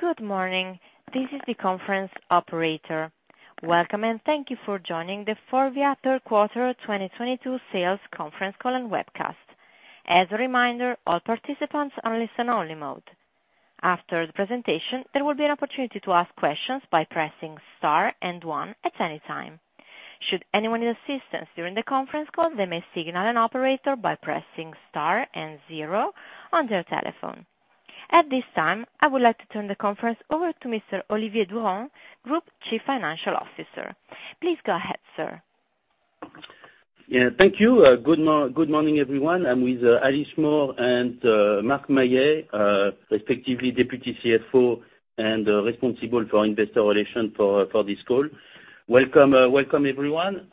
Good morning. This is the conference operator. Welcome, and thank you for joining the Forvia Third Quarter 2022 Sales Conference Call and Webcast. As a reminder, all participants on listen-only mode. After the presentation, there will be an opportunity to ask questions by pressing star and one at any time. Should anyone need assistance during the conference call, they may signal an operator by pressing star and zero on their telephone. At this time, I would like to turn the conference over to Mr. Olivier Durand, Group Chief Financial Officer. Please go ahead, sir. Yeah, thank you. Good morning, everyone. I'm with Nolwenn Delaunay and Marc Mayer, respectively Deputy CFO and responsible for investor relations for this call. Welcome everyone.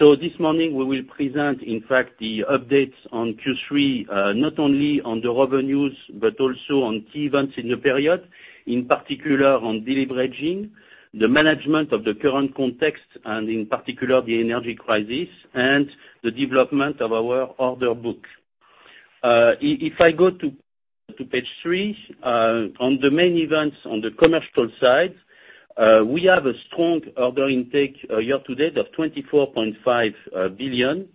This morning we will present, in fact, the updates on Q3, not only on the revenues but also on key events in the period, in particular on deleveraging, the management of the current context, and in particular the energy crisis and the development of our order book. If I go to page 3, on the main events on the commercial side, we have a strong order intake, year to date of 24.5 billion.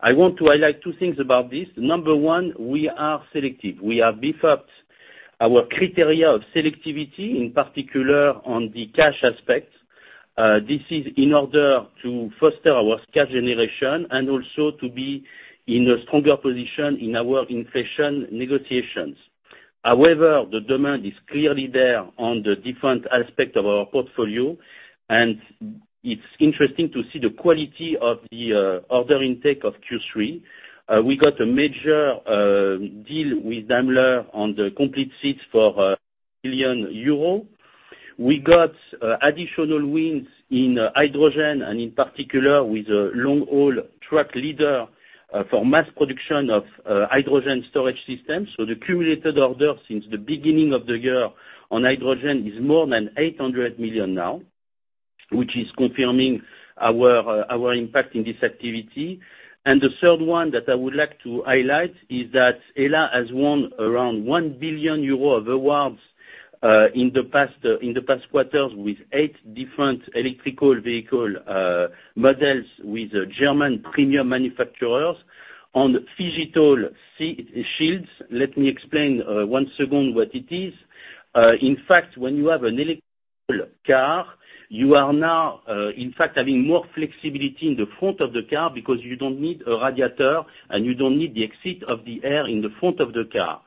I want to highlight two things about this. Number one, we are selective. We have beefed up our criteria of selectivity, in particular on the cash aspect. This is in order to foster our cash generation and also to be in a stronger position in our inflation negotiations. However, the demand is clearly there on the different aspect of our portfolio, and it's interesting to see the quality of the order intake of Q3. We got a major deal with Daimler on the complete seats for 1 billion euro. We got additional wins in hydrogen and in particular with a long-haul truck leader for mass production of hydrogen storage systems. The accumulated order since the beginning of the year on hydrogen is more than 800 million now, which is confirming our impact in this activity. The third one that I would like to highlight is that Hella has won around 1 billion euro of awards in the past quarters with eight different electric vehicle models with German premium manufacturers on digital c-shields. Let me explain what it is. In fact, when you have an electric car, you are now in fact having more flexibility in the front of the car because you don't need a radiator and you don't need the exit of the air in the front of the car.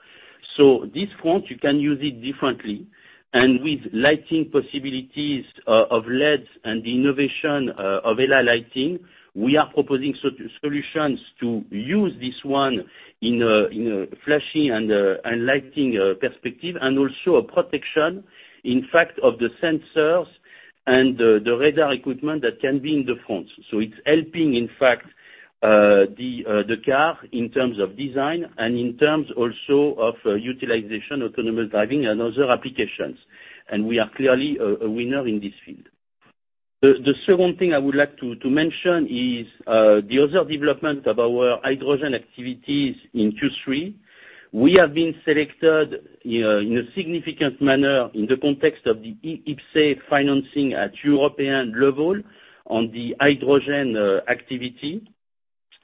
This front, you can use it differently. With lighting possibilities of LEDs and the innovation of HELLA Lighting, we are proposing solutions to use this one in a flashing and lighting perspective, and also a protection in fact of the sensors and the radar equipment that can be in the front. It's helping in fact the car in terms of design and in terms also of utilization, autonomous driving and other applications. We are clearly a winner in this field. The second thing I would like to mention is the other development of our hydrogen activities in Q3. We have been selected in a significant manner in the context of the IPCEI financing at European level on the hydrogen activity.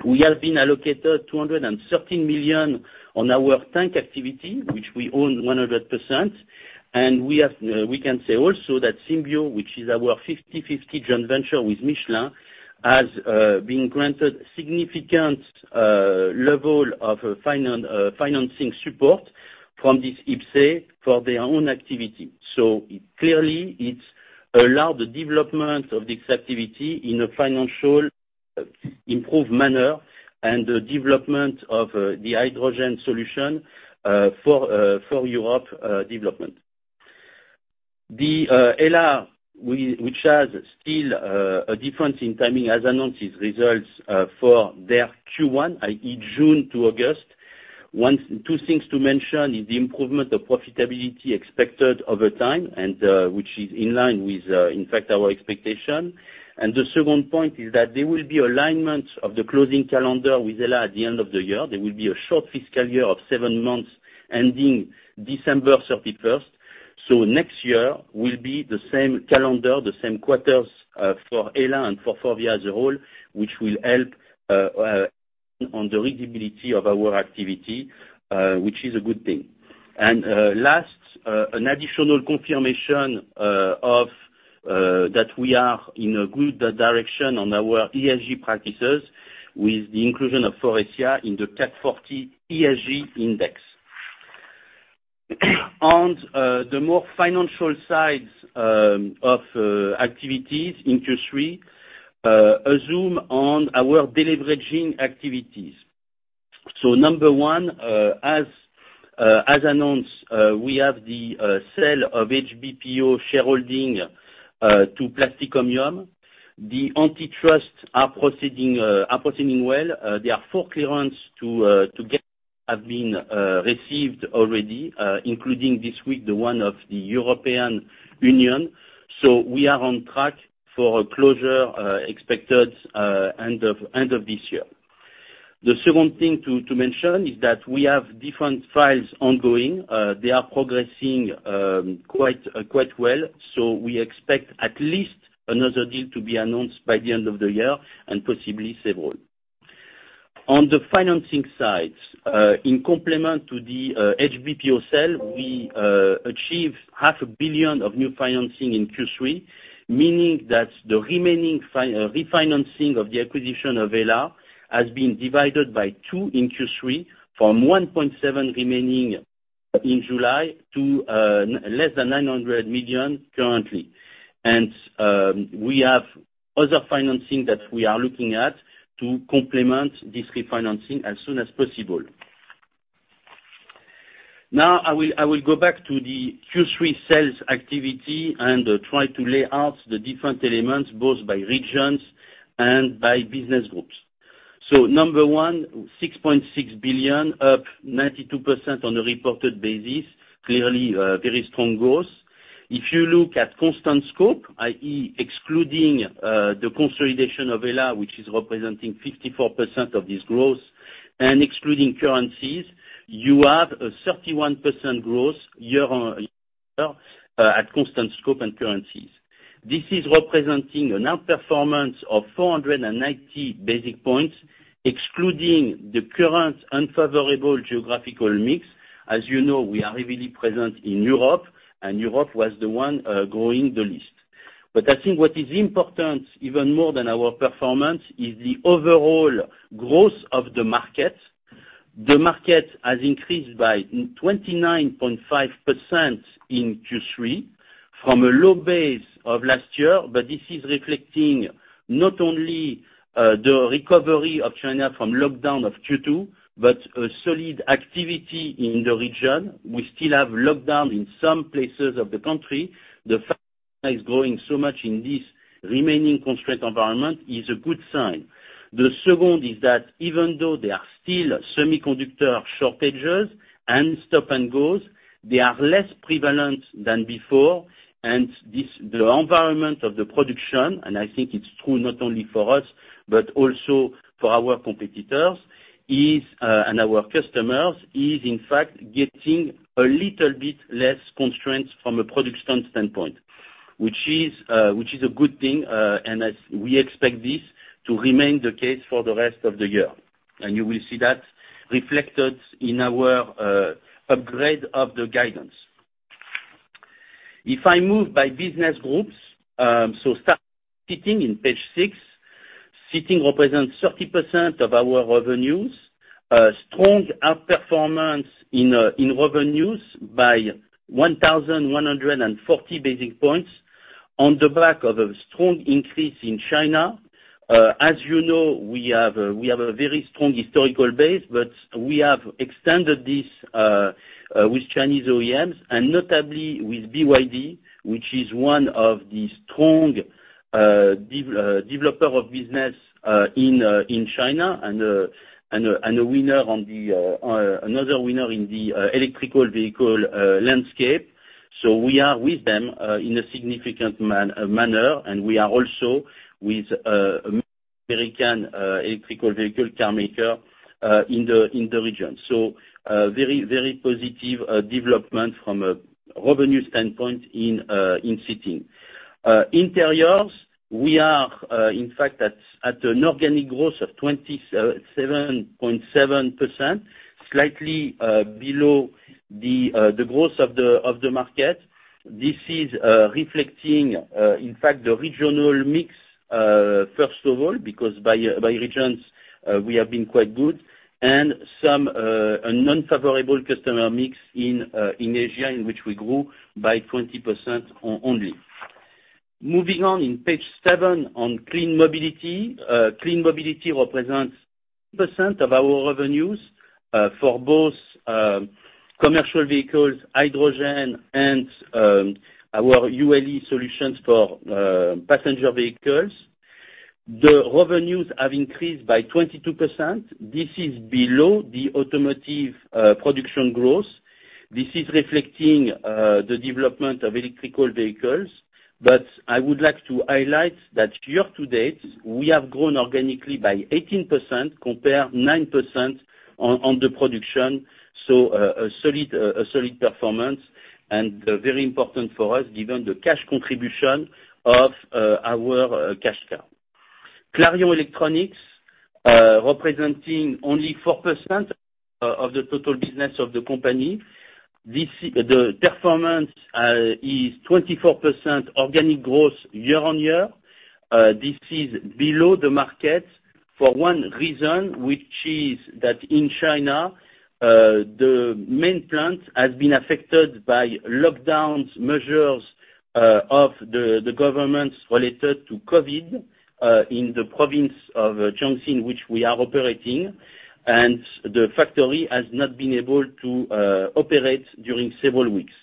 We have been allocated 213 million on our tank activity, which we own 100%. We can say also that Symbio, which is our 50/50 joint venture with Michelin, has been granted significant level of financing support from this IPCEI for their own activity. Clearly it allow the development of this activity in a financial improved manner and development of the hydrogen solution for Europe development. The Hella which has still a difference in timing has announced its results for their Q1, i.e. June to August. Two things to mention is the improvement of profitability expected over time and which is in line with in fact our expectation. The second point is that there will be alignment of the closing calendar with Hella at the end of the year. There will be a short fiscal year of seven months ending December 31st. Next year will be the same calendar, the same quarters, for HELLA and for Forvia as a whole, which will help on the readability of our activity, which is a good thing. Last, an additional confirmation of that we are in a good direction on our ESG practices with the inclusion of Faurecia in the CAC 40 ESG index. On the more financial sides of activities in Q3, a zoom on our deleveraging activities. 1. As announced, we have the sale of HBPO shareholding to Plastic Omnium. The antitrust proceedings are proceeding well. There are four clearances to get that have been received already, including this week, the one from the European Union. We are on track for a closure expected end of this year. The second thing to mention is that we have different files ongoing. They are progressing quite well, so we expect at least another deal to be announced by the end of the year and possibly several. On the financing side, in complement to the HBPO sale, we achieved EUR half a billion of new financing in Q3, meaning that the remaining refinancing of the acquisition of Hella has been divided by two in Q3 from 1.7 billion remaining in July to less than 900 million currently. We have other financing that we are looking at to complement this refinancing as soon as possible. Now I will go back to the Q3 sales activity and try to lay out the different elements, both by regions and by business groups. Number one, 6.6 billion, up 92% on a reported basis, clearly, very strong growth. If you look at constant scope, i.e. excluding the consolidation of HELLA, which is representing 54% of this growth, and excluding currencies, you have a 31% growth year-on-year, at constant scope and currencies. This is representing an outperformance of 490 basis points, excluding the current unfavorable geographical mix. As you know, we are heavily present in Europe, and Europe was the one growing the least. I think what is important, even more than our performance, is the overall growth of the market. The market has increased by 29.5% in Q3 from a low base of last year. This is reflecting not only the recovery of China from lockdown of Q2, but a solid activity in the region. We still have lockdown in some places of the country. The fact that it's growing so much in this remaining constraint environment is a good sign. The second is that even though there are still semiconductor shortages and stop and goes, they are less prevalent than before. This, the environment of the production, and I think it's true not only for us, but also for our competitors, and our customers, is in fact getting a little bit less constraints from a production standpoint, which is a good thing. As we expect this to remain the case for the rest of the year. You will see that reflected in our upgrade of the guidance. If I move to business groups, start Seating on page 6. Seating represents 30% of our revenues. Strong outperformance in revenues by 1,140 basis points on the back of a strong increase in China. As you know, we have a very strong historical base, but we have extended this with Chinese OEMs and notably with BYD, which is one of the strong developer of business in China and a winner in the electric vehicle landscape. We are with them in a significant manner. We are also with American electric vehicle car maker in the region. Very positive development from a revenue standpoint in seating. Interiors, we are in fact at an organic growth of 27.7%, slightly below the growth of the market. This is reflecting in fact the regional mix first of all because by regions we have been quite good and some unfavorable customer mix in Asia in which we grew by 20% only. Moving on in page 7 on Clean Mobility. Clean Mobility represents % of our revenues for both commercial vehicles hydrogen and our ULE solutions for passenger vehicles. The revenues have increased by 22%. This is below the automotive production growth. This is reflecting the development of electric vehicles. I would like to highlight that year to date we have grown organically by 18% compared 9% on the production. A solid performance and very important for us given the cash contribution of our cash cow. Clarion Electronics, representing only 4% of the total business of the company. This, the performance, is 24% organic growth year-on-year. This is below the market for one reason, which is that in China, the main plant has been affected by lockdowns, measures, of the government related to COVID, in the province of Changsha, in which we are operating. The factory has not been able to operate during several weeks.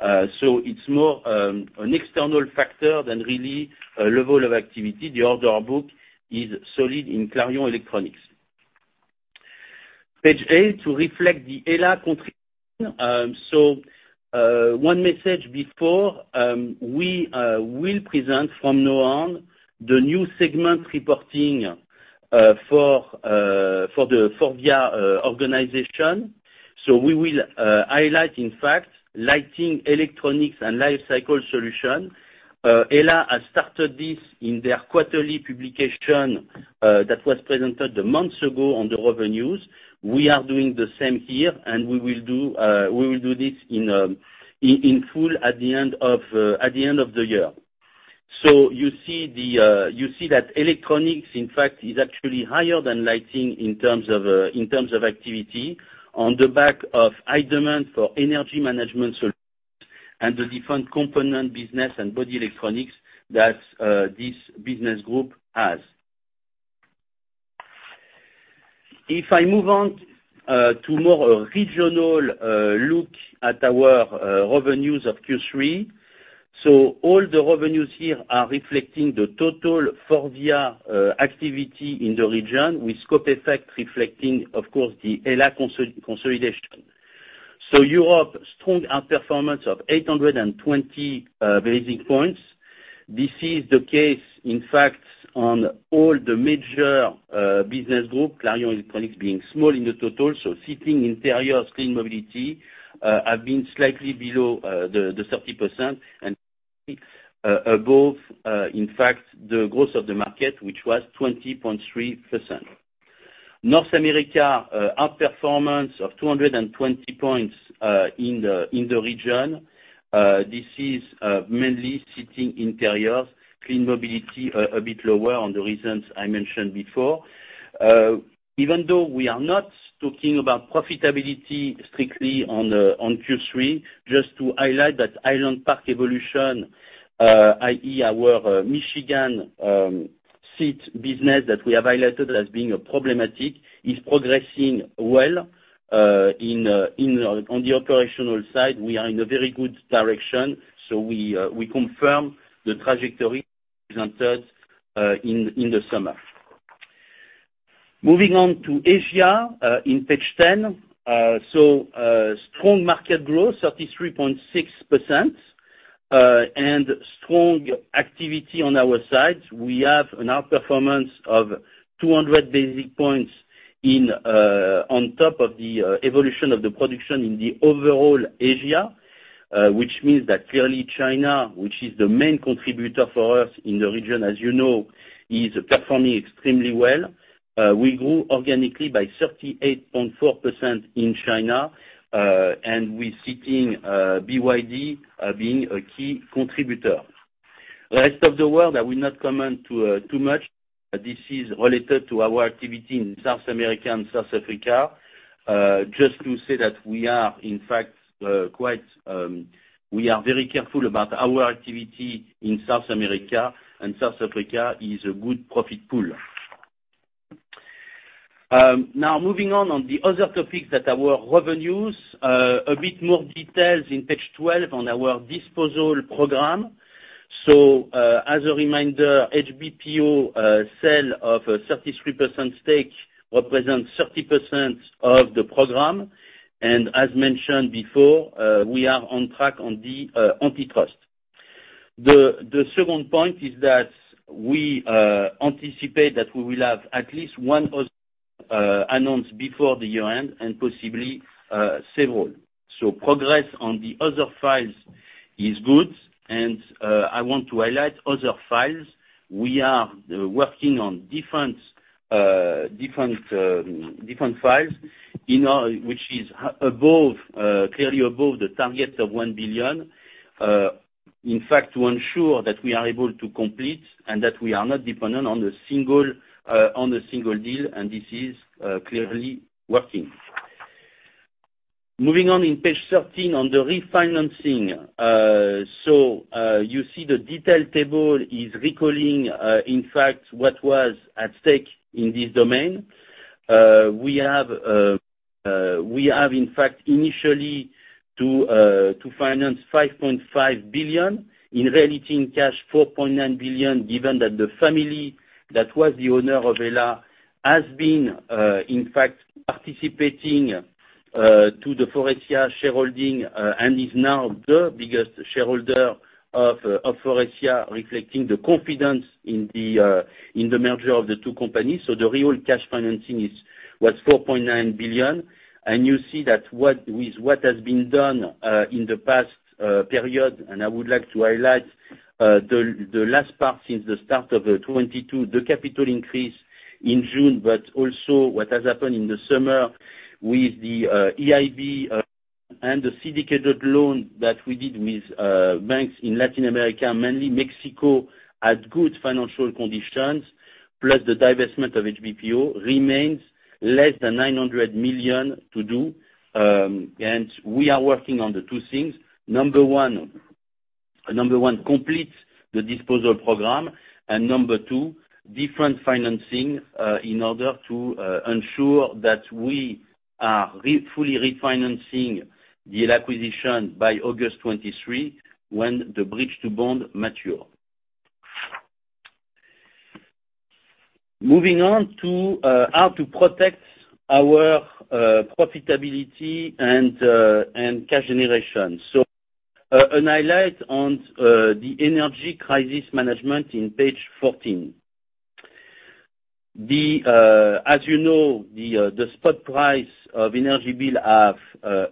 It's more an external factor than really a level of activity. The order book is solid in Clarion Electronics. Page 8, to reflect the HELLA contribution. One message before we will present from now on the new segment reporting for the Forvia organization. We will highlight, in fact, lighting, electronics and life cycle solution. Hella has started this in their quarterly publication that was presented a month ago on the revenues. We are doing the same here, and we will do this in full at the end of the year. You see that electronics, in fact, is actually higher than lighting in terms of activity on the back of high demand for energy management solutions and the different component business and body electronics that this business group has. If I move on to a more regional look at our revenues of Q3. All the revenues here are reflecting the total Forvia activity in the region with scope effect reflecting, of course, the Hella consolidation. Europe, strong outperformance of 820 basis points. This is the case, in fact, on all the major business group, Clarion Electronics being small in the total. Seating, Interiors, Clean Mobility have been slightly below the 30% and above, in fact, the growth of the market, which was 20.3%. North America outperformance of 220 points in the region. This is mainly Seating, Interiors, Clean Mobility, a bit lower on the reasons I mentioned before. Even though we are not talking about profitability strictly on Q3, just to highlight that Island Park evolution, i.e., our Michigan seat business that we have highlighted as being a problematic, is progressing well in on the operational side. We are in a very good direction. We confirm the trajectory presented in the summer. Moving on to Asia in page 10. Strong market growth, 33.6%. And strong activity on our side. We have an outperformance of 200 basis points on top of the evolution of the production in the overall Asia. Which means that clearly China, which is the main contributor for us in the region, as you know, is performing extremely well. We grew organically by 38.4% in China, and with Seating, BYD being a key contributor. The rest of the world, I will not comment too much. This is related to our activity in South America and South Africa. Just to say that we are, in fact, quite careful about our activity in South America, and South Africa is a good profit pool. Now moving on to the other topic, a bit more details in page 12 on our disposal program. As a reminder, HBPO sale of a 33% stake represents 30% of the program. As mentioned before, we are on track on the antitrust. The second point is that we anticipate that we will have at least one other announced before the year-end and possibly several. Progress on the other files is good, and I want to highlight other files. We are working on different files, you know, which is clearly above the target of 1 billion. In fact, to ensure that we are able to complete and that we are not dependent on a single deal and this is clearly working. Moving on in page 13 on the refinancing. You see the detail table is recalling, in fact, what was at stake in this domain. We have in fact initially to finance 5.5 billion. In reality, in cash, 4.9 billion, given that the family that was the owner of Hella has been, in fact, participating to the Faurecia shareholding, and is now the biggest shareholder of Faurecia, reflecting the confidence in the merger of the two companies. The real cash financing was 4.9 billion. You see that what has been done in the past period, and I would like to highlight the last part since the start of 2022, the capital increase in June, but also what has happened in the summer with the EIB and the syndicated loan that we did with banks in Latin America, mainly Mexico, at good financial conditions, plus the divestment of HBPO remains less than 900 million to do. We are working on the two things. Number one, complete the disposal program. Number two, different financing in order to ensure that we are fully refinancing the acquisition by August 2023, when the bridge to bond matures. Moving on to how to protect our profitability and cash generation. A highlight on the energy crisis management in page fourteen. As you know, the spot price of energy bills have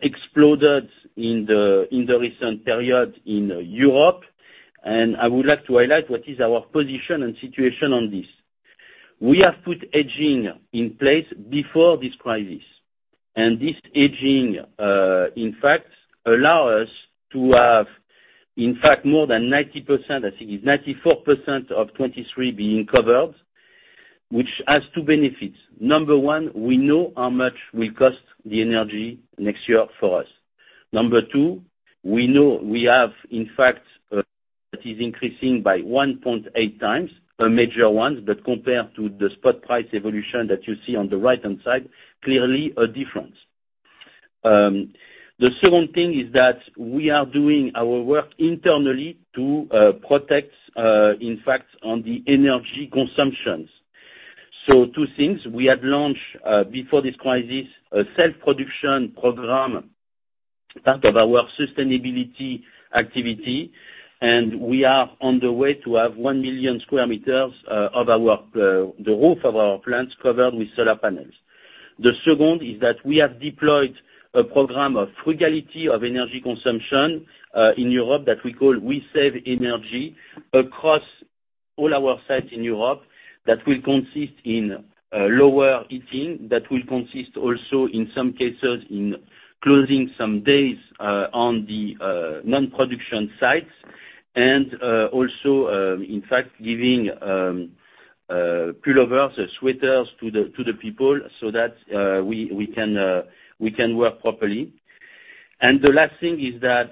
exploded in the recent period in Europe, and I would like to highlight what is our position and situation on this. We have put hedging in place before this crisis, and this hedging, in fact, allows us to have in fact more than 90%, I think it's 94% of 2023 being covered, which has two benefits. Number one, we know how much will cost the energy next year for us. Number two, we know we have in fact, that is increasing by 1.8 times a major one, but compared to the spot price evolution that you see on the right-hand side, clearly a difference. The second thing is that we are doing our work internally to protect, in fact, on the energy consumptions. Two things, we had launched before this crisis a self-production program, part of our sustainability activity, and we are on the way to have 1 million square meters of the roof of our plants covered with solar panels. The second is that we have deployed a program of frugality of energy consumption in Europe that we call We Save Energy across all our sites in Europe that will consist in lower heating, that will consist also in some cases in closing some days on the non-production sites, and also, in fact giving pullovers or sweaters to the people so that we can work properly. The last thing is that,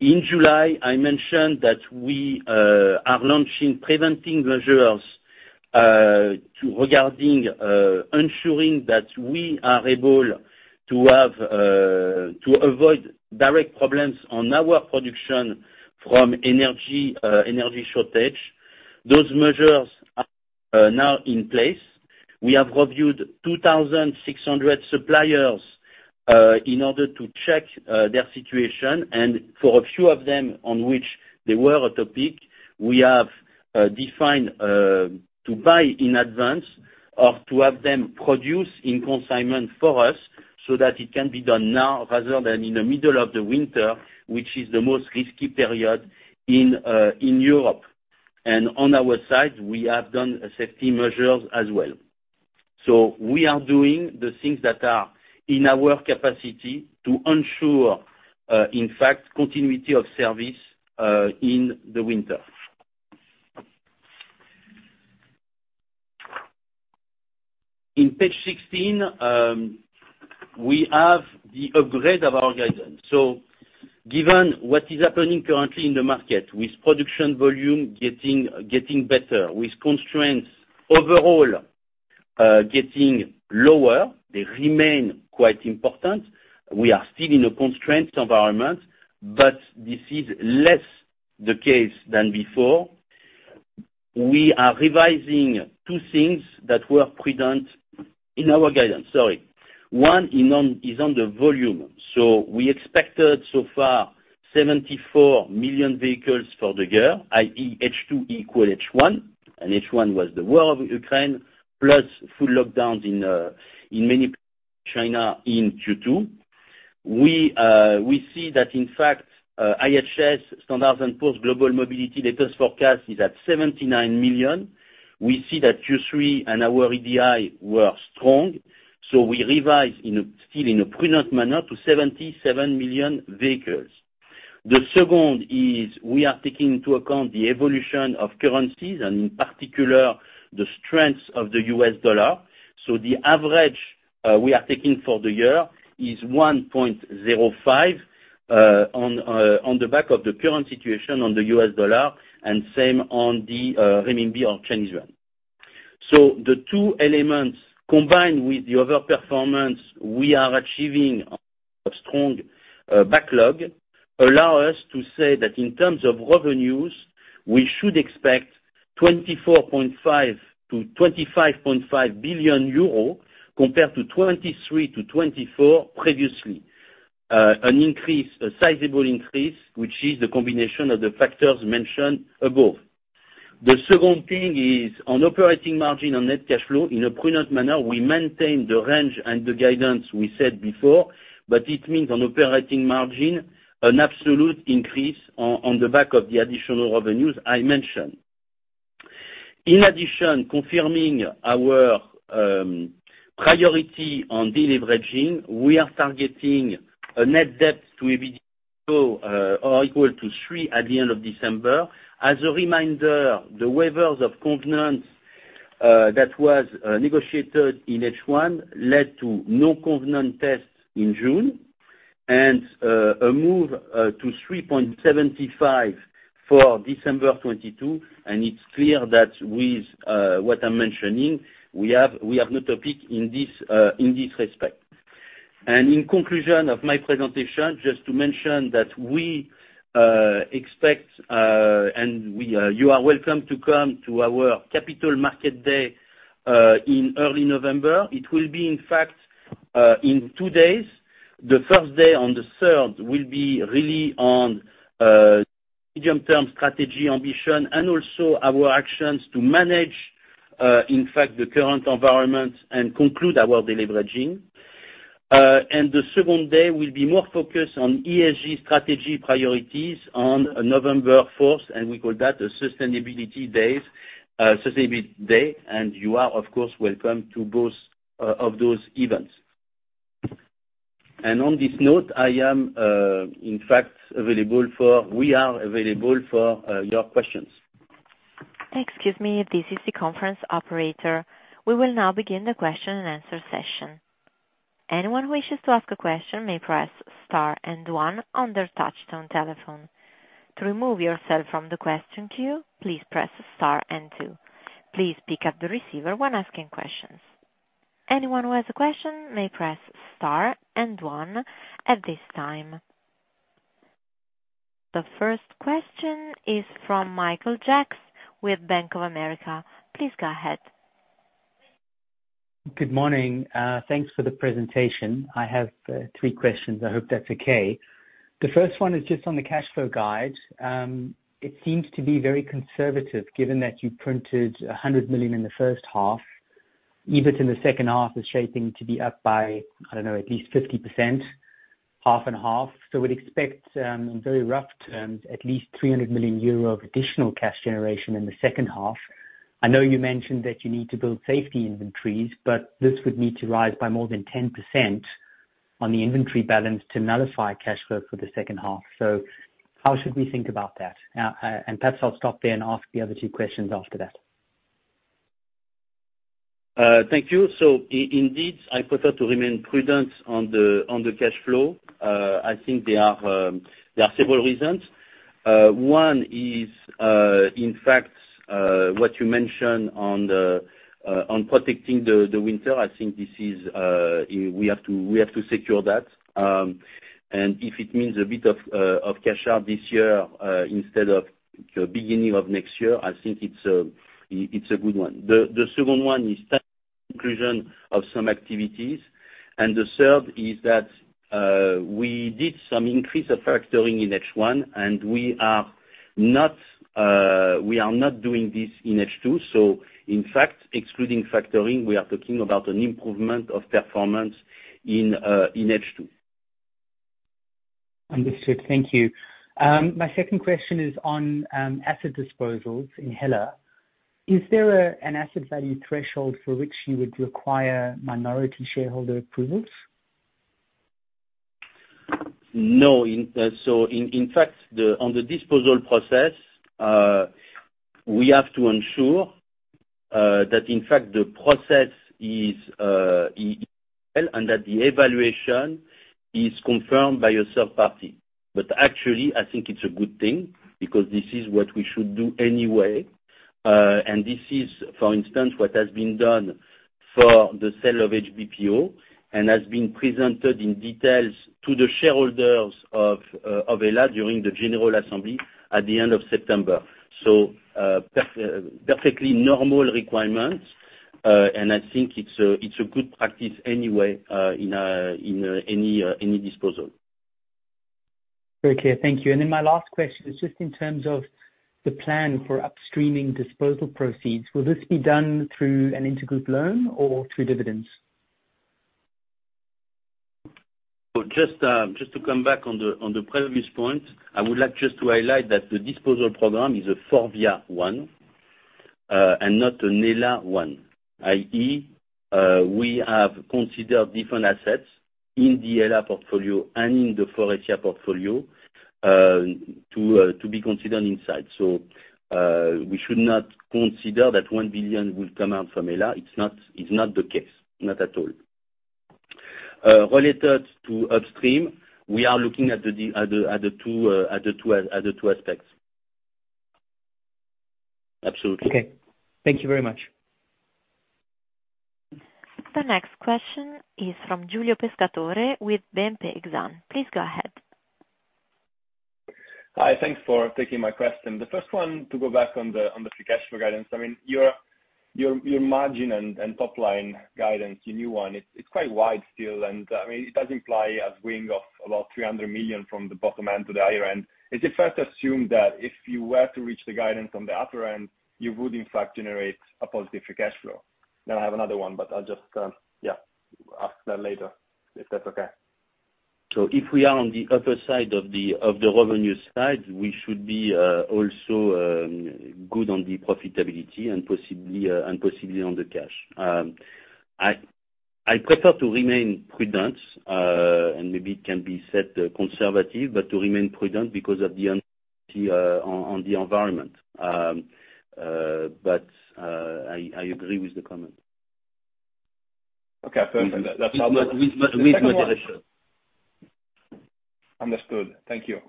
in July, I mentioned that we are launching preventive measures regarding ensuring that we are able to avoid direct problems on our production from energy shortage. Those measures are now in place. We have reviewed 2,600 suppliers in order to check their situation. For a few of them which were at risk, we have defined to buy in advance or to have them produce in consignment for us so that it can be done now rather than in the middle of the winter, which is the most risky period in Europe. On our side, we have done safety measures as well. We are doing the things that are in our capacity to ensure, in fact, continuity of service, in the winter. In page 16, we have the upgrade of our guidance. Given what is happening currently in the market, with production volume getting better, with constraints overall, getting lower, they remain quite important. We are still in a constraint environment, but this is less the case than before. We are revising two things that were prudent in our guidance. Sorry. One is on the volume. We expected so far 74 million vehicles for the year, i.e. H2 equal H1, and H1 was the war of Ukraine, plus full lockdowns in many China in Q2. We see that in fact, S&P Global Mobility latest forecast is at 79 million. We see that Q3 and our EDI were strong, so we revised still in a prudent manner to 77 million vehicles. The second is we are taking into account the evolution of currencies and in particular the strength of the US dollar. The average we are taking for the year is 1.05 on the back of the current situation on the US dollar and same on the renminbi or Chinese yuan. The two elements, combined with the other performance we are achieving a strong backlog, allow us to say that in terms of revenues, we should expect 24.5 billion-25.5 billion euro compared to 23 billion-24 billion previously. An increase, a sizable increase, which is the combination of the factors mentioned above. The second thing is on operating margin and net cash flow, in a prudent manner we maintain the range and the guidance we said before, but it means on operating margin, an absolute increase on the back of the additional revenues I mentioned. In addition, confirming our priority on deleveraging, we are targeting a net debt to EBITDA or equal to three at the end of December. As a reminder, the waivers of covenants that was negotiated in H1 led to no covenant tests in June, and a move to 3.75 for December 2022, and it's clear that with what I'm mentioning, we have no topic in this respect. In conclusion of my presentation, just to mention that we expect, and you are welcome to come to our capital market day in early November. It will be, in fact, in two days. The first day on the third will be really on medium term strategy, ambition, and also our actions to manage, in fact, the current environment and conclude our deleveraging. The second day will be more focused on ESG strategy priorities on November fourth, and we call that a sustainability day. You are of course welcome to both of those events. On this note we are available for your questions. Excuse me, this is the conference operator. We will now begin the question-and-answer session. Anyone who wishes to ask a question may press star and one on their touchtone telephone. To remove yourself from the question queue, please press star and two. Please pick up the receiver when asking questions. Anyone who has a question may press star and one at this time. The first question is from Michael Foundoukidis with ODDO BHF. Please go ahead. Good morning. Thanks for the presentation. I have three questions. I hope that's okay. The first one is just on the cash flow guide. It seems to be very conservative given that you printed 100 million in the first half. EBIT in the second half is shaping to be up by, I don't know, at least 50%, half and half. We'd expect, very rough terms, at least 300 million euro of additional cash generation in the second half. I know you mentioned that you need to build safety inventories, but this would need to rise by more than 10% on the inventory balance to nullify cash flow for the second half. How should we think about that? Perhaps I'll stop there and ask the other two questions after that. Thank you. Indeed, I prefer to remain prudent on the cash flow. I think there are several reasons. One is, in fact, what you mentioned on protecting the winter. I think we have to secure that. If it means a bit of cash out this year, instead of the beginning of next year, I think it's a good one. The second one is inclusion of some activities. The third is that, we did some increase of factoring in H1, and we are not doing this in H2. In fact, excluding factoring, we are talking about an improvement of performance in H2. Understood. Thank you. My second question is on asset disposals in Hella. Is there an asset value threshold for which you would require minority shareholder approvals? No. In fact, on the disposal process, we have to ensure that in fact the process is and that the evaluation is confirmed by a third party. Actually I think it's a good thing because this is what we should do anyway. This is, for instance, what has been done for the sale of HBPO and has been presented in detail to the shareholders of Hella during the general assembly at the end of September. Perfectly normal requirements. I think it's a good practice anyway in any disposal. Very clear. Thank you. My last question is just in terms of the plan for upstreaming disposal proceeds, will this be done through an intragroup loan or through dividends? Just to come back on the previous point, I would like just to highlight that the disposal program is a Forvia one, and not a Hella one. i.e., we have considered different assets in the Hella portfolio and in the Faurecia portfolio, to be considered inside. We should not consider that 1 billion will come out from Hella. It's not the case. Not at all. Related to upstream, we are looking at the two aspects. Absolutely. Okay. Thank you very much. The next question is from Giulio Pescatore with BNP Paribas Exane. Please go ahead. Hi. Thanks for taking my question. The first one, to go back on the free cash flow guidance, I mean, your margin and top line guidance, your new one, it's quite wide still, and I mean, it does imply a swing of about 300 million from the bottom end to the higher end. Is it fair to assume that if you were to reach the guidance on the upper end, you would in fact generate a positive free cash flow? Then I have another one, but I'll just yeah ask that later, if that's okay. If we are on the upper side of the revenue side, we should be also good on the profitability and possibly on the cash. I prefer to remain prudent and maybe it can be set conservative, but to remain prudent because of the uncertainty on the environment. I agree with the comment. Okay, perfect. That's all. With moderation. Understood. Thank you.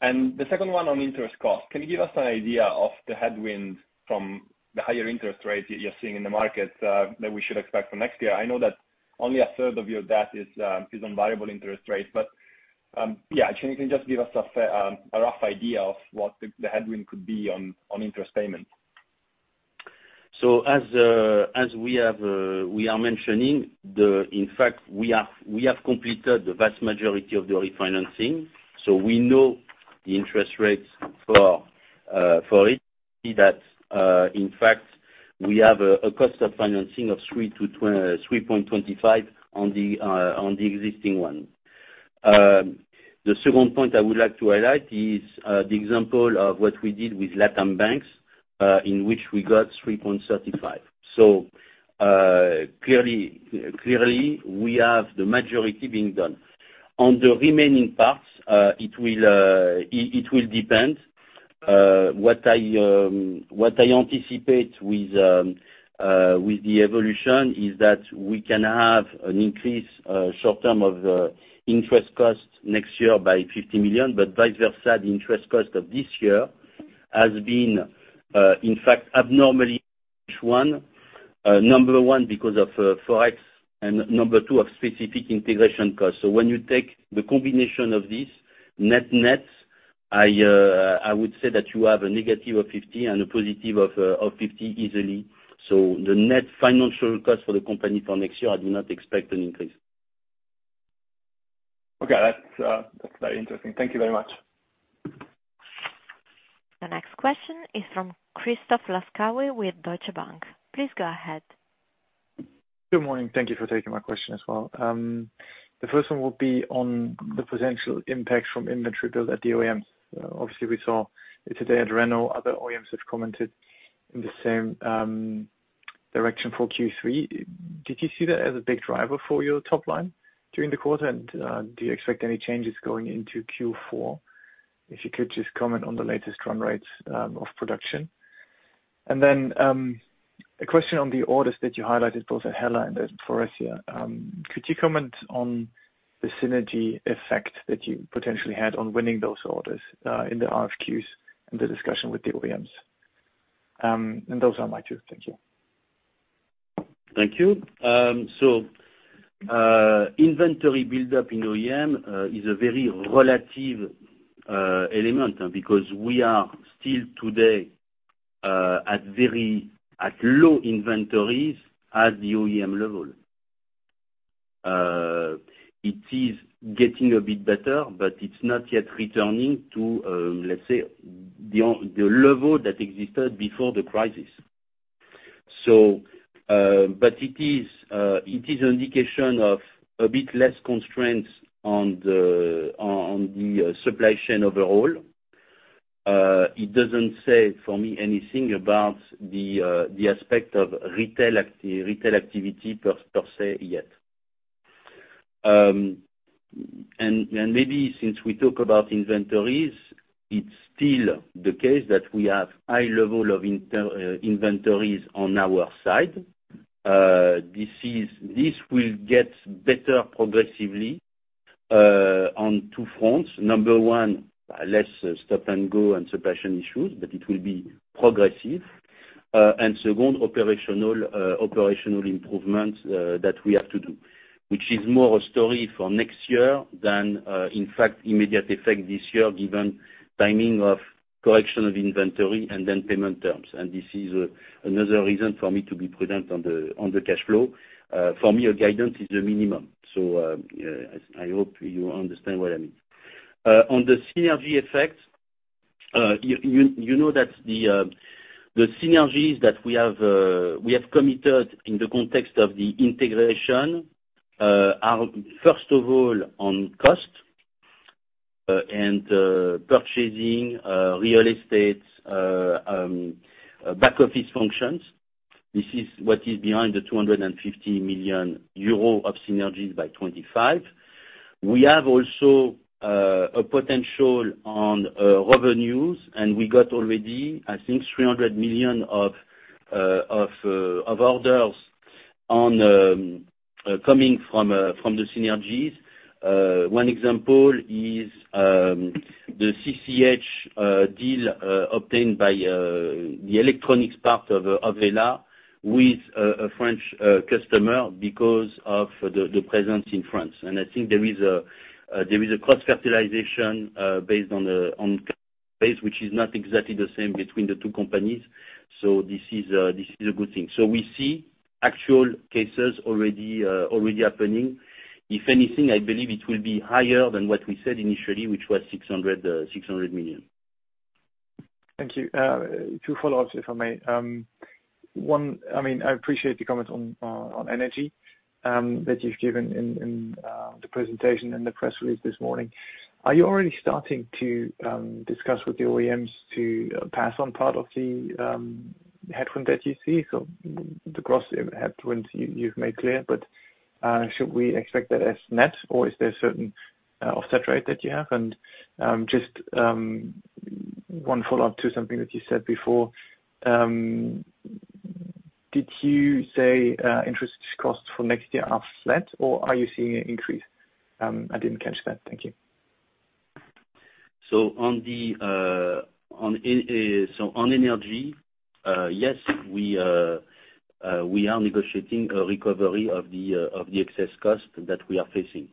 The second one on interest cost, can you give us an idea of the headwind from the higher interest rate you're seeing in the market that we should expect for next year? I know that only a third of your debt is on variable interest rates, but yeah. Can you just give us a rough idea of what the headwind could be on interest payment? As we have mentioned, in fact, we have completed the vast majority of the refinancing. We know the interest rates for it. See that, in fact, we have a cost of financing of 3.25% on the existing one. The second point I would like to highlight is the example of what we did with Latam Banks, in which we got 3.35%. Clearly, we have the majority being done. On the remaining parts, it will depend. What I anticipate with the evolution is that we can have an increase short term of interest costs next year by 50 million. Vice versa, the interest cost of this year has been, in fact, abnormally high. Number one, because of Forex, and number two, a specific integration cost. When you take the combination of this net-nets, I would say that you have a negative of 50 and a positive of 50 easily. The net financial cost for the company for next year, I do not expect an increase. Okay. That's very interesting. Thank you very much. The next question is from Christoph Laskawi with Deutsche Bank. Please go ahead. Good morning. Thank you for taking my question as well. The first one will be on the potential impact from inventory build at the OEMs. Obviously, we saw it today at Renault. Other OEMs have commented in the same direction for Q3. Did you see that as a big driver for your top line during the quarter? Do you expect any changes going into Q4? If you could just comment on the latest run rates of production. A question on the orders that you highlighted both at Hella and at Faurecia. Could you comment on the synergy effect that you potentially had on winning those orders in the RFQs and the discussion with the OEMs? Those are my two. Thank you. Thank you. Inventory buildup in OEM is a very relative element because we are still today at very low inventories at the OEM level. It is getting a bit better, but it's not yet returning to, let's say, the level that existed before the crisis. But it is an indication of a bit less constraints on the supply chain overall. It doesn't say for me anything about the aspect of retail activity per se yet. Maybe since we talk about inventories, it's still the case that we have high level of inventories on our side. This will get better progressively on two fronts. Number 1, less stop and go and suppression issues, but it will be progressive. Second, operational improvements that we have to do, which is more a story for next year than in fact immediate effect this year given timing of correction of inventory and then payment terms. This is another reason for me to be prudent on the cash flow. For me, a guidance is the minimum. I hope you understand what I mean. On the synergy effect, you know that the synergies that we have committed in the context of the integration are first of all on cost and purchasing, real estate, back office functions. This is what is behind the 250 million euro of synergies by 2025. We have also a potential on revenues, and we got already, I think, 300 million of orders coming from the synergies. One example is the CCH deal obtained by the electronics part of HELLA with a French customer because of the presence in France. I think there is a cross-fertilization based on base, which is not exactly the same between the two companies. This is a good thing. We see actual cases already happening. If anything, I believe it will be higher than what we said initially, which was 600 million. Thank you. Two follow-ups, if I may. One, I mean, I appreciate the comments on energy that you've given in the presentation and the press release this morning. Are you already starting to discuss with the OEMs to pass on part of the headwind that you see? So the cost headwinds you've made clear, but should we expect that as net, or is there a certain offset rate that you have? Just one follow-up to something that you said before. Did you say interest costs for next year are flat, or are you seeing an increase? I didn't catch that. Thank you. On energy, yes, we are negotiating a recovery of the excess cost that we are facing,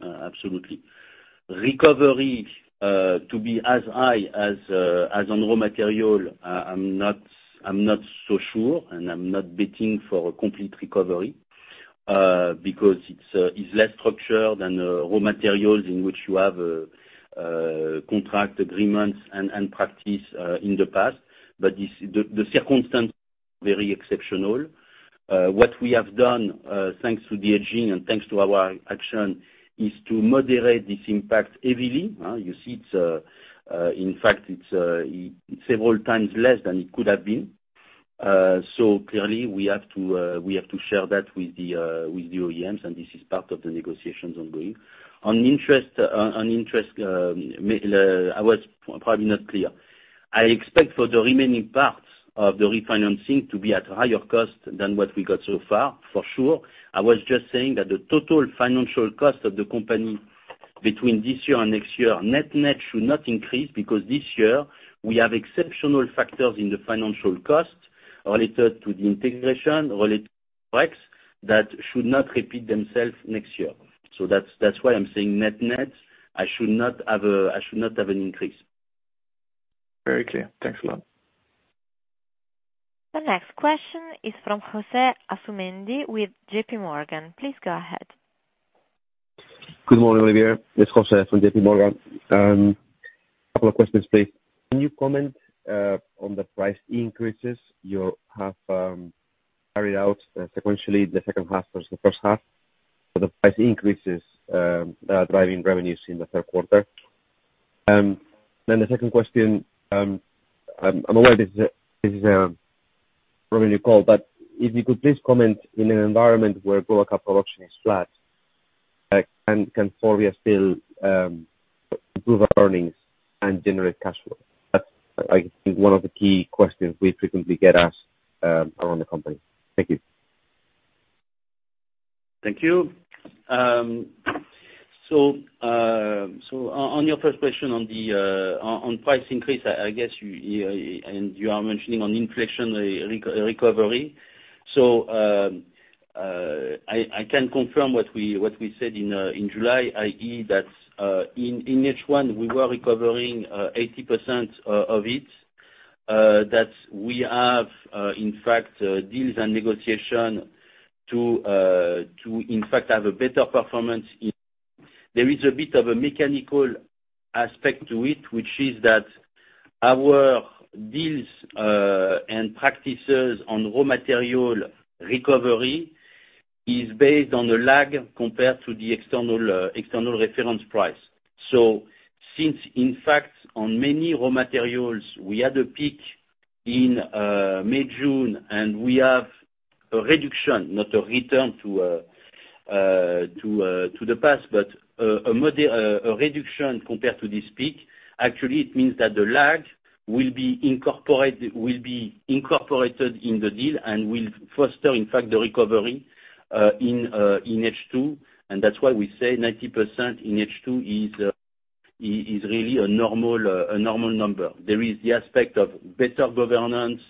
absolutely. Recovery to be as high as on raw material, I'm not so sure, and I'm not bidding for a complete recovery, because it's less structured than raw materials in which you have contract agreements and practice in the past. This circumstance very exceptional. What we have done, thanks to the hedging and thanks to our action, is to moderate this impact heavily. You see it, in fact it's several times less than it could have been. Clearly we have to share that with the OEMs, and this is part of the negotiations ongoing. On interest, maybe I was probably not clear. I expect for the remaining parts of the refinancing to be at higher cost than what we got so far, for sure. I was just saying that the total financial cost of the company between this year and next year, net-net should not increase, because this year we have exceptional factors in the financial cost related to the integration, related to price, that should not repeat themselves next year. That's why I'm saying net-net, I should not have an increase. Very clear. Thanks a lot. The next question is from Jose Asumendi with J.P. Morgan. Please go ahead. Good morning, Olivier. It's José from J.P. Morgan. Couple of questions, please. Can you comment on the price increases you have carried out sequentially the second half versus the first half? The price increases that are driving revenues in the third quarter. The second question, I'm aware this is a revenue call, but if you could please comment in an environment where global car production is flat, like, can Forvia still improve our earnings and generate cash flow? That's, I think, one of the key questions we frequently get asked around the company. Thank you. Thank you. On your first question on price increase, I guess you and you are mentioning on inflation recovery. I can confirm what we said in July, i.e., that in H1 we were recovering 80% of it, that we have deals and negotiation to in fact have a better performance in. There is a bit of a mechanical aspect to it, which is that our deals and practices on raw material recovery is based on a lag compared to the external reference price. Since in fact on many raw materials, we had a peak in May/June, and we have a reduction, not a return to the past, but a moderate reduction compared to this peak. Actually, it means that the lag will be incorporated in the deal and will foster, in fact, the recovery in H2, and that's why we say 90% in H2 is really a normal number. There is the aspect of better governance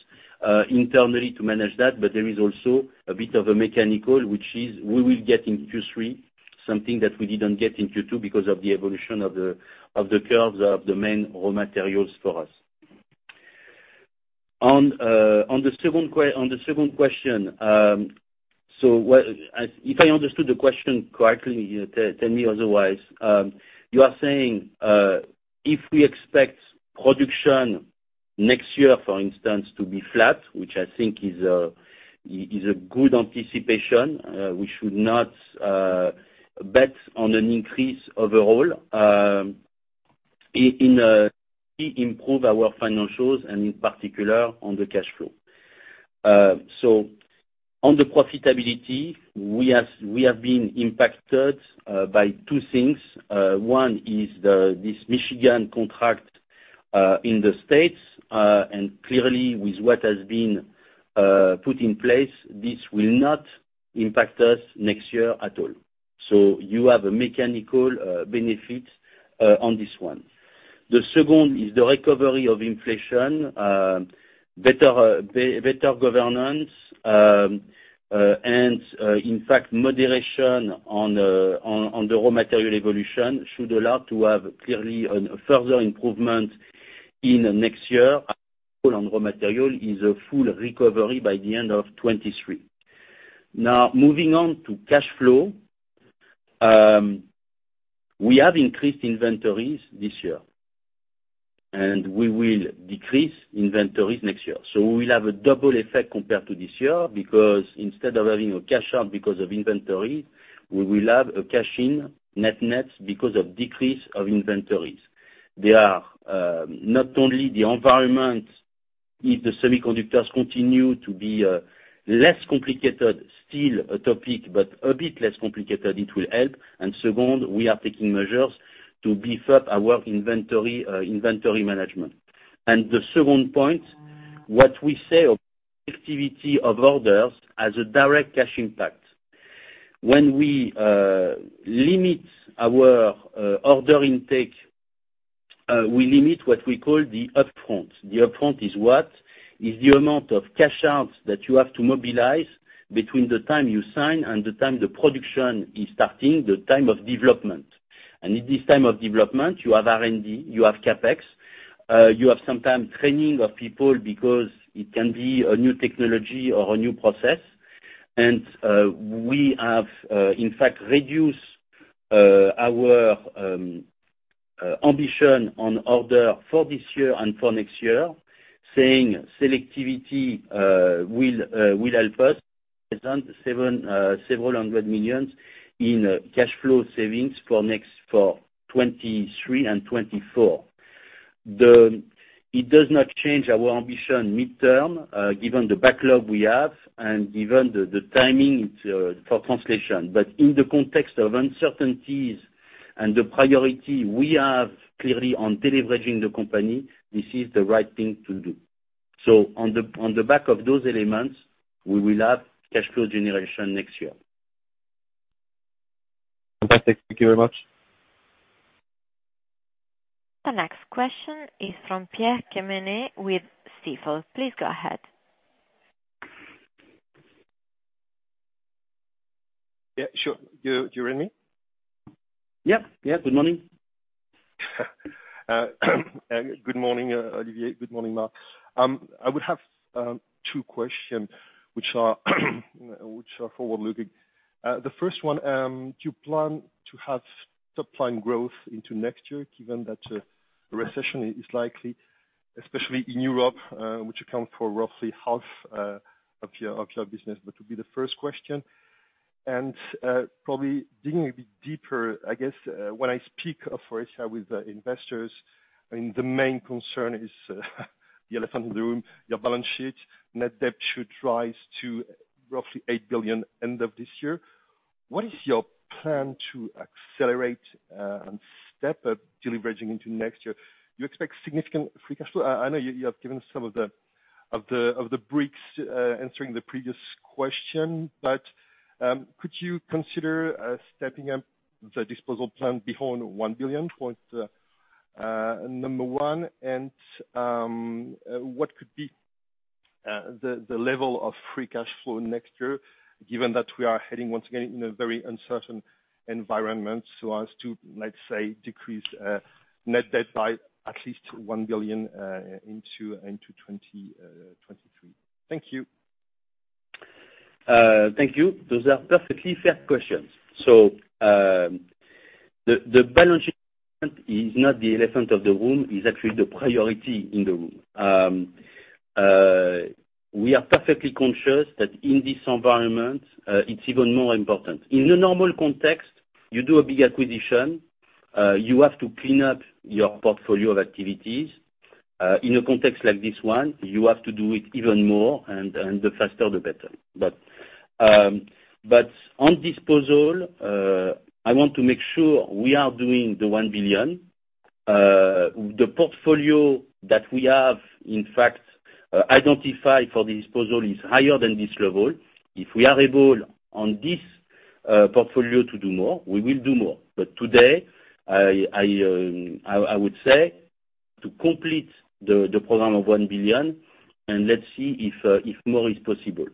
internally to manage that, but there is also a bit of a mechanical, which is we will get in Q3 something that we didn't get in Q2 because of the evolution of the curves of the main raw materials for us. On the second question. If I understood the question correctly, tell me otherwise. You are saying, if we expect production next year, for instance, to be flat, which I think is a good anticipation, we should not bet on an increase overall, in improving our financials and in particular on the cash flow. On the profitability, we have been impacted by two things. One is this Michigan contract in the States, and clearly with what has been put in place, this will not impact us next year at all. You have a mechanical benefit on this one. The second is the recovery of inflation, better governance, and, in fact, moderation on the raw material evolution should allow to have clearly a further improvement in next year. The pull on raw material is a full recovery by the end of 2023. Now, moving on to cash flow. We have increased inventories this year, and we will decrease inventories next year. We will have a double effect compared to this year because instead of having a cash out because of inventory, we will have a cash in net-net because of decrease of inventories. There are not only the environment, if the semiconductors continue to be less complicated, still a topic but a bit less complicated, it will help. Second, we are taking measures to beef up our inventory management. The second point, what we say of activity of orders has a direct cash impact. When we limit our order intake, we limit what we call the upfront. The upfront is what is the amount of cash out that you have to mobilize between the time you sign and the time the production is starting, the time of development. In this time of development, you have R&D, you have CapEx, you have sometime training of people because it can be a new technology or a new process. We have in fact reduced our ambition on order for this year and for next year, saying selectivity will help us save several hundred million in cash flow savings for 2023 and 2024. It does not change our ambition midterm, given the backlog we have and given the timing for translation. In the context of uncertainties and the priority we have clearly on deleveraging the company, this is the right thing to do. On the back of those elements, we will have cash flow generation next year. Fantastic. Thank you very much. The next question is from Pierre Quemener with Stifel. Please go ahead. Yeah, sure. Do you hear me? Yeah. Yeah. Good morning. Good morning, Olivier. Good morning, Marc. I would have two questions, which are forward-looking. The first one, do you plan to have top line growth into next year given that a recession is likely, especially in Europe, which accounts for roughly half of your business? That will be the first question. Probably digging a bit deeper, I guess, when I speak, for instance, with the investors and the main concern is the elephant in the room, your balance sheet, net debt should rise to roughly 8 billion end of this year. What is your plan to accelerate and step up deleveraging into next year? You expect significant free cash flow. I know you have given some of the bricks answering the previous question, but could you consider stepping up the disposal plan beyond 1 billion, point number one? What could be the level of free cash flow next year given that we are heading once again in a very uncertain environment so as to, let's say, decrease net debt by at least 1 billion into 2023? Thank you. Thank you. Those are perfectly fair questions. The balance sheet is not the elephant in the room. It is actually the priority in the room. We are perfectly conscious that in this environment, it's even more important. In a normal context, you do a big acquisition, you have to clean up your portfolio of activities. In a context like this one, you have to do it even more, and the faster the better. On disposal, I want to make sure we are doing 1 billion. The portfolio that we have, in fact, identified for the disposal is higher than this level. If we are able on this portfolio to do more, we will do more. Today, I would say to complete the program of 1 billion and let's see if more is possible.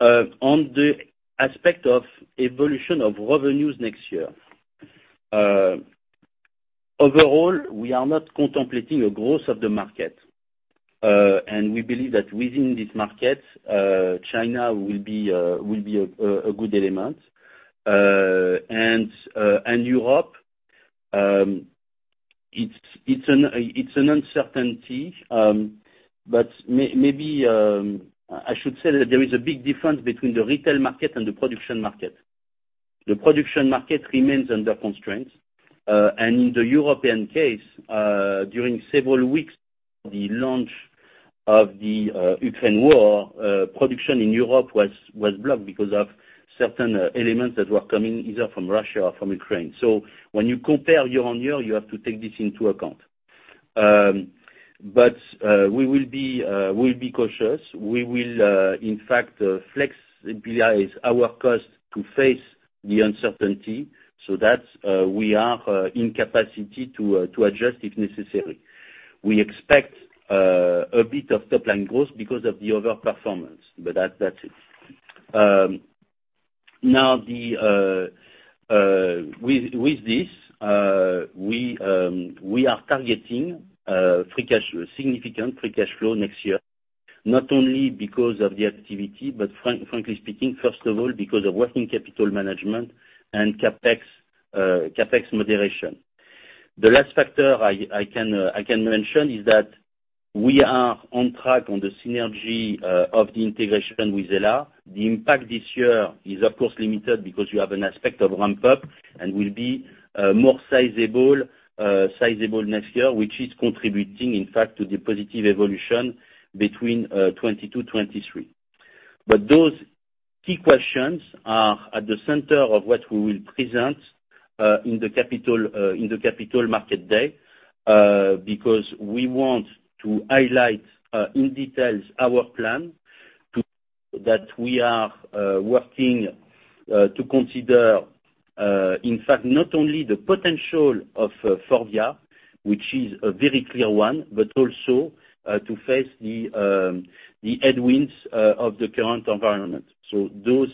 On the aspect of evolution of revenues next year, overall, we are not contemplating a growth of the market, and we believe that within this market, China will be a good element. Europe, it's an uncertainty, but maybe I should say that there is a big difference between the retail market and the production market. The production market remains under constraints. In the European case, during several weeks, the launch of the Ukraine war, production in Europe was blocked because of certain elements that were coming either from Russia or from Ukraine. When you compare year-on-year, you have to take this into account. We will be cautious. We will, in fact, flex EBITDA is our cost to face the uncertainty so that we are in capacity to adjust if necessary. We expect a bit of top line growth because of the other performance, but that's it. With this, we are targeting significant free cash flow next year, not only because of the activity, but frankly speaking, first of all, because of working capital management and CapEx moderation. The last factor I can mention is that we are on track on the synergy of the integration with Hella. The impact this year is of course limited because you have an aspect of ramp-up and will be more sizable next year, which is contributing, in fact, to the positive evolution between 2022, 2023. Those key questions are at the center of what we will present in the capital markets day because we want to highlight in detail our plan that we are working to consider, in fact, not only the potential of Forvia, which is a very clear one, but also to face the headwinds of the current environment. Those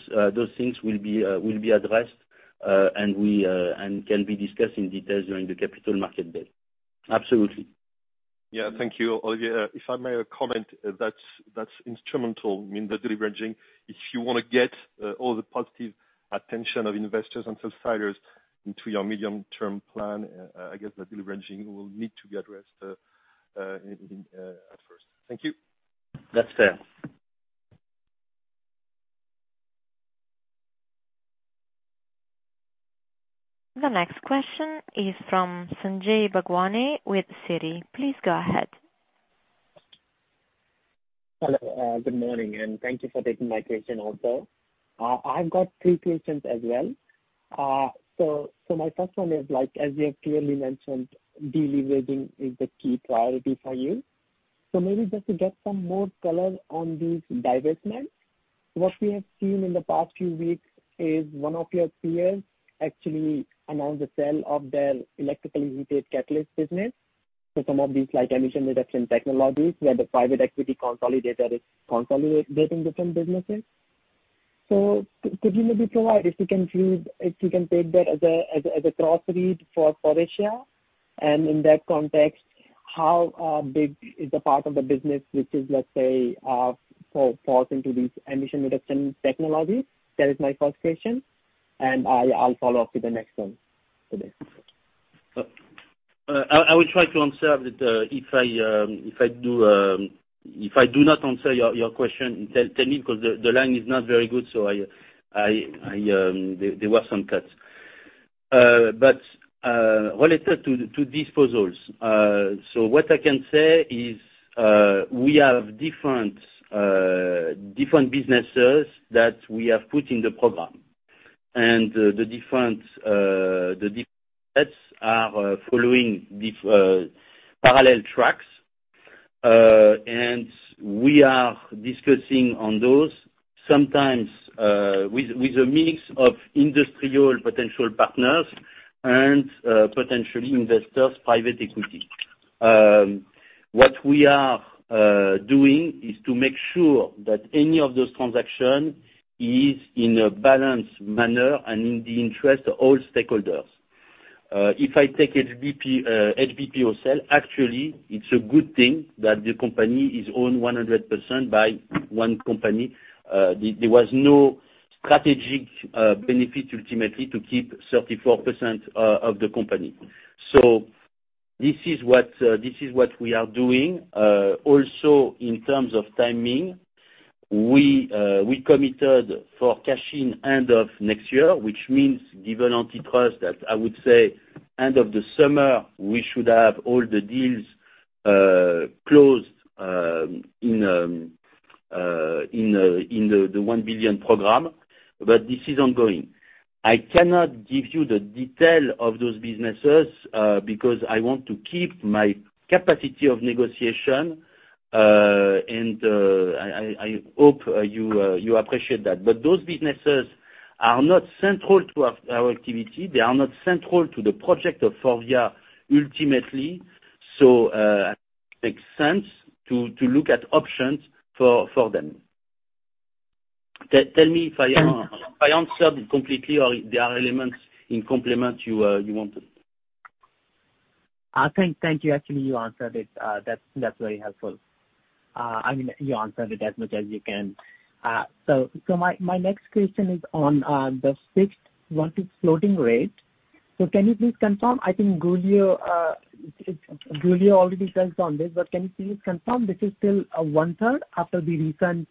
things will be addressed and can be discussed in detail during the capital markets day. Absolutely. Yeah. Thank you, Olivier. If I may comment, that's instrumental in the deleveraging. If you wanna get all the positive attention of investors and suppliers into your medium-term plan, I guess the deleveraging will need to be addressed in at first. Thank you. That's fair. The next question is from Sanjay Bhagwani with Citi. Please go ahead. Hello. Good morning, and thank you for taking my question also. I've got three questions as well. My first one is like, as you have clearly mentioned, deleveraging is the key priority for you. Maybe just to get some more color on these divestments. What we have seen in the past few weeks is one of your peers actually announced the sale of their electrically heated catalyst business. Some of these low emission reduction technologies where the private equity consolidator is consolidating different businesses. Could you maybe provide, if you can take that as a cross read for Asia? And in that context, how big is the part of the business which is, let's say, falls into these emission reduction technologies? That is my first question, and I’ll follow up with the next one for this. I will try to answer that, if I do not answer your question, tell me 'cause the line is not very good, so there were some cuts. Related to disposals, what I can say is, we have different businesses that we have put in the program. The different sets are following parallel tracks. We are discussing on those sometimes, with a mix of industrial potential partners and potentially investors, private equity. What we are doing is to make sure that any of those transaction is in a balanced manner and in the interest of all stakeholders. If I take HBPO sale, actually, it's a good thing that the company is owned 100% by one company. There was no strategic benefit ultimately to keep 34% of the company. This is what we are doing. Also in terms of timing, we committed for cash-in end of next year, which means given antitrust that I would say end of the summer, we should have all the deals closed in the 1 billion program. This is ongoing. I cannot give you the detail of those businesses because I want to keep my capacity of negotiation. I hope you appreciate that. Those businesses are not central to our activity. They are not central to the project of Forvia ultimately. Makes sense to look at options for them. Tell me if I answered completely or there are elements to complement you want. Thank you. Actually, you answered it. That's very helpful. I mean, you answered it as much as you can. My next question is on the fixed versus floating rate. Can you please confirm? I think Giulio already touched on this, but can you please confirm this is still one-third after the recent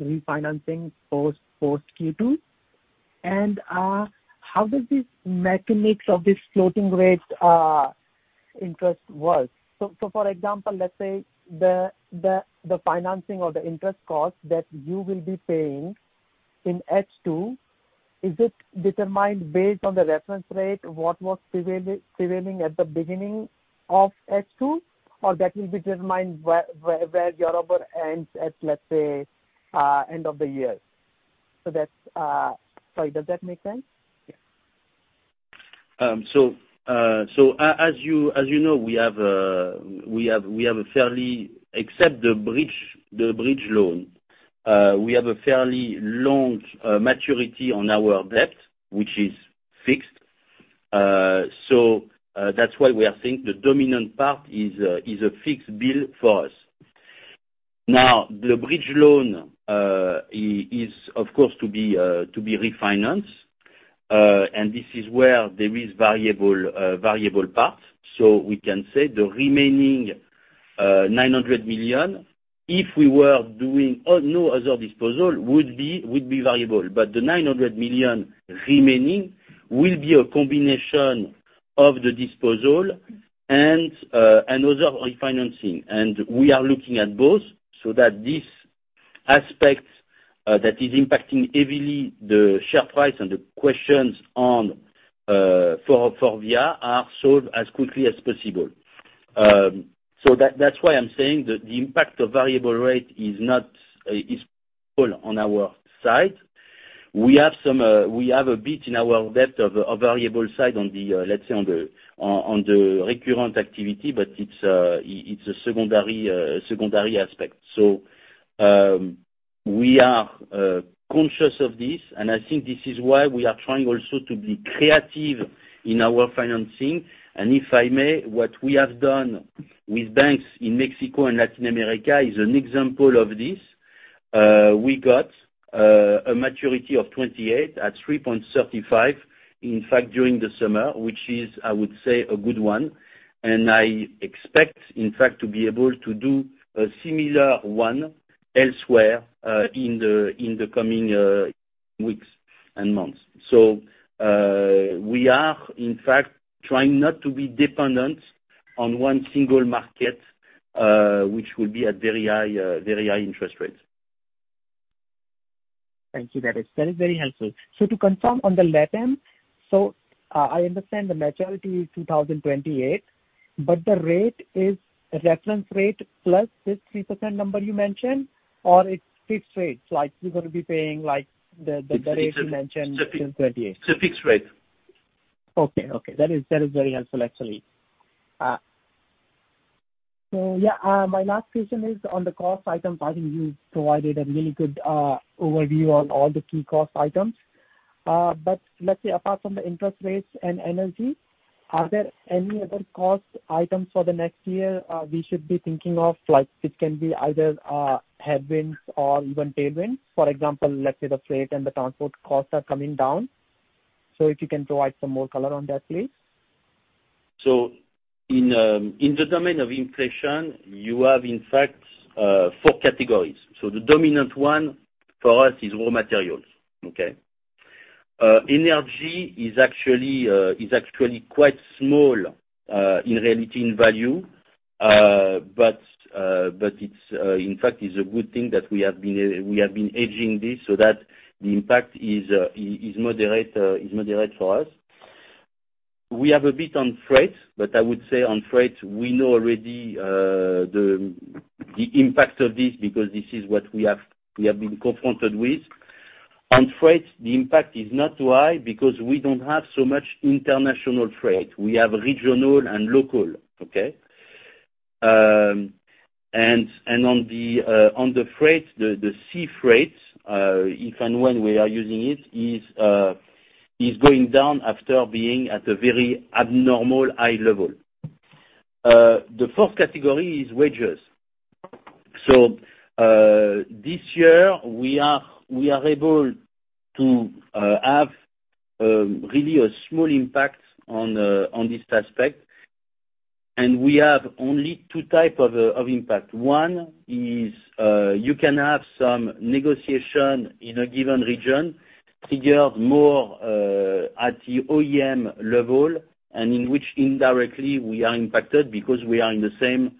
refinancing post Q2? And how does the mechanics of this floating rate interest work? For example, let's say the financing or the interest cost that you will be paying in H2, is it determined based on the reference rate what was prevailing at the beginning of H2, or that will be determined where Euribor ends at, let's say, end of the year? Sorry, does that make sense? As you know, we have a fairly long maturity on our debt, which is fixed. That's why we are saying the dominant part is a fixed bill for us. Now, the bridge loan is of course to be refinanced, and this is where there is variable parts. We can say the remaining 900 million, if we were doing no other disposal, would be variable. The 900 million remaining will be a combination of the disposal and another refinancing. We are looking at both so that this aspect that is impacting heavily the share price and the questions on Forvia are solved as quickly as possible. That's why I'm saying the impact of variable rate is not full on our side. We have a bit in our debt of variable, I'd say, on the recurring activity, but it's a secondary aspect. We are conscious of this, and I think this is why we are trying also to be creative in our financing. If I may, what we have done with banks in Mexico and Latin America is an example of this. We got a maturity of 28 at 3.35, in fact, during the summer, which is, I would say, a good one. I expect, in fact, to be able to do a similar one elsewhere, in the coming weeks and months. We are in fact trying not to be dependent on one single market, which will be at very high interest rates. Thank you. That is very helpful. To confirm on the Latam, I understand the maturity is 2028, but the rate is reference rate plus this 3% number you mentioned or it's fixed rate, like you're gonna be paying like the rate you mentioned till 2028? It's a fixed rate. Okay. That is very helpful, actually. Yeah, my last question is on the cost item. I think you provided a really good overview on all the key cost items. Let's say apart from the interest rates and energy, are there any other cost items for the next year we should be thinking of? Like, it can be either headwinds or even tailwinds. For example, let's say the freight and the transport costs are coming down. If you can provide some more color on that, please. In the domain of inflation, you have in fact four categories. The dominant one for us is raw materials, okay? Energy is actually quite small in reality in value. But it's in fact a good thing that we have been hedging this so that the impact is moderate for us. We have a bit on freight, but I would say on freight, we know already the impact of this because this is what we have been confronted with. On freight, the impact is not too high because we don't have so much international freight. We have regional and local, okay? On the freight, the sea freight, if and when we are using it, is going down after being at a very abnormal high level. The fourth category is wages. This year we are able to have really a small impact on this aspect. We have only two type of impact. One is you can have some negotiation in a given region, for example, at the OEM level, and in which indirectly we are impacted because we are in the same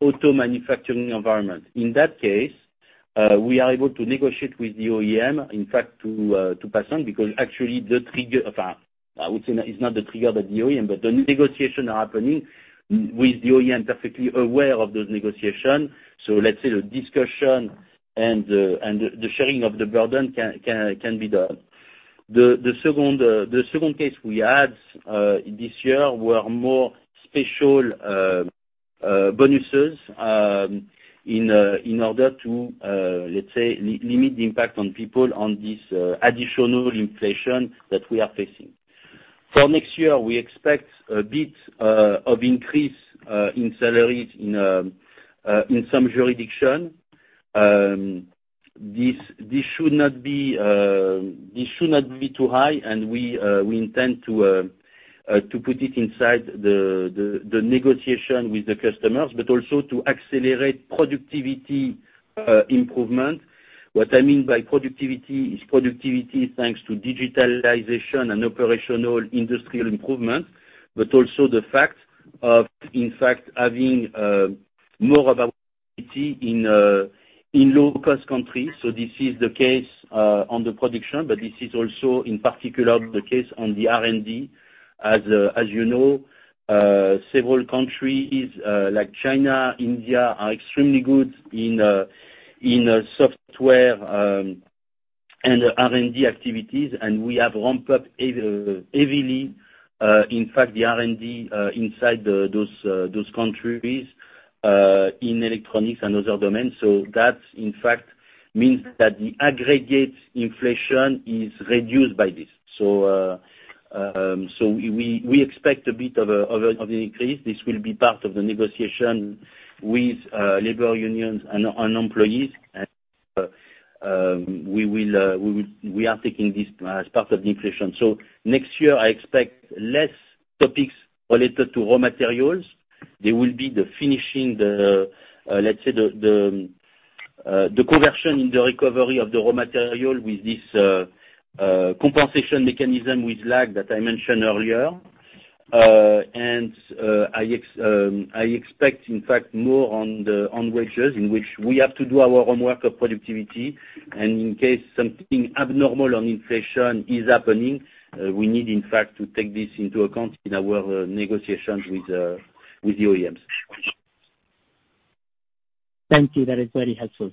auto manufacturing environment. In that case, we are able to negotiate with the OEM, in fact, to pass on, because actually the trigger, I would say it's not the trigger of the OEM, but the negotiation are happening with the OEM perfectly aware of those negotiation. So let's say the discussion and the sharing of the burden can be done. The second case we had this year were more special bonuses in order to let's say limit the impact on people on this additional inflation that we are facing. For next year, we expect a bit of increase in salaries in some jurisdiction. This should not be too high, and we intend to put it inside the negotiation with the customers, but also to accelerate productivity improvement. What I mean by productivity is productivity thanks to digitalization and operational industrial improvement, but also the fact of, in fact, having more of our in low cost countries. This is the case on the production, but this is also in particular the case on the R&D. As you know, several countries like China, India are extremely good in software and R&D activities, and we have ramped up heavily, in fact, the R&D inside those countries in electronics and other domains. That in fact means that the aggregate inflation is reduced by this. We expect a bit of an increase. This will be part of the negotiation with labor unions and employees. We are taking this as part of the inflation. Next year I expect less topics related to raw materials. They will be finishing the conversion in the recovery of the raw material with this compensation mechanism with lag that I mentioned earlier. I expect in fact more on the wages in which we have to do our homework of productivity and in case something abnormal on inflation is happening, we need in fact to take this into account in our negotiations with the OEMs. Thank you, that is very helpful.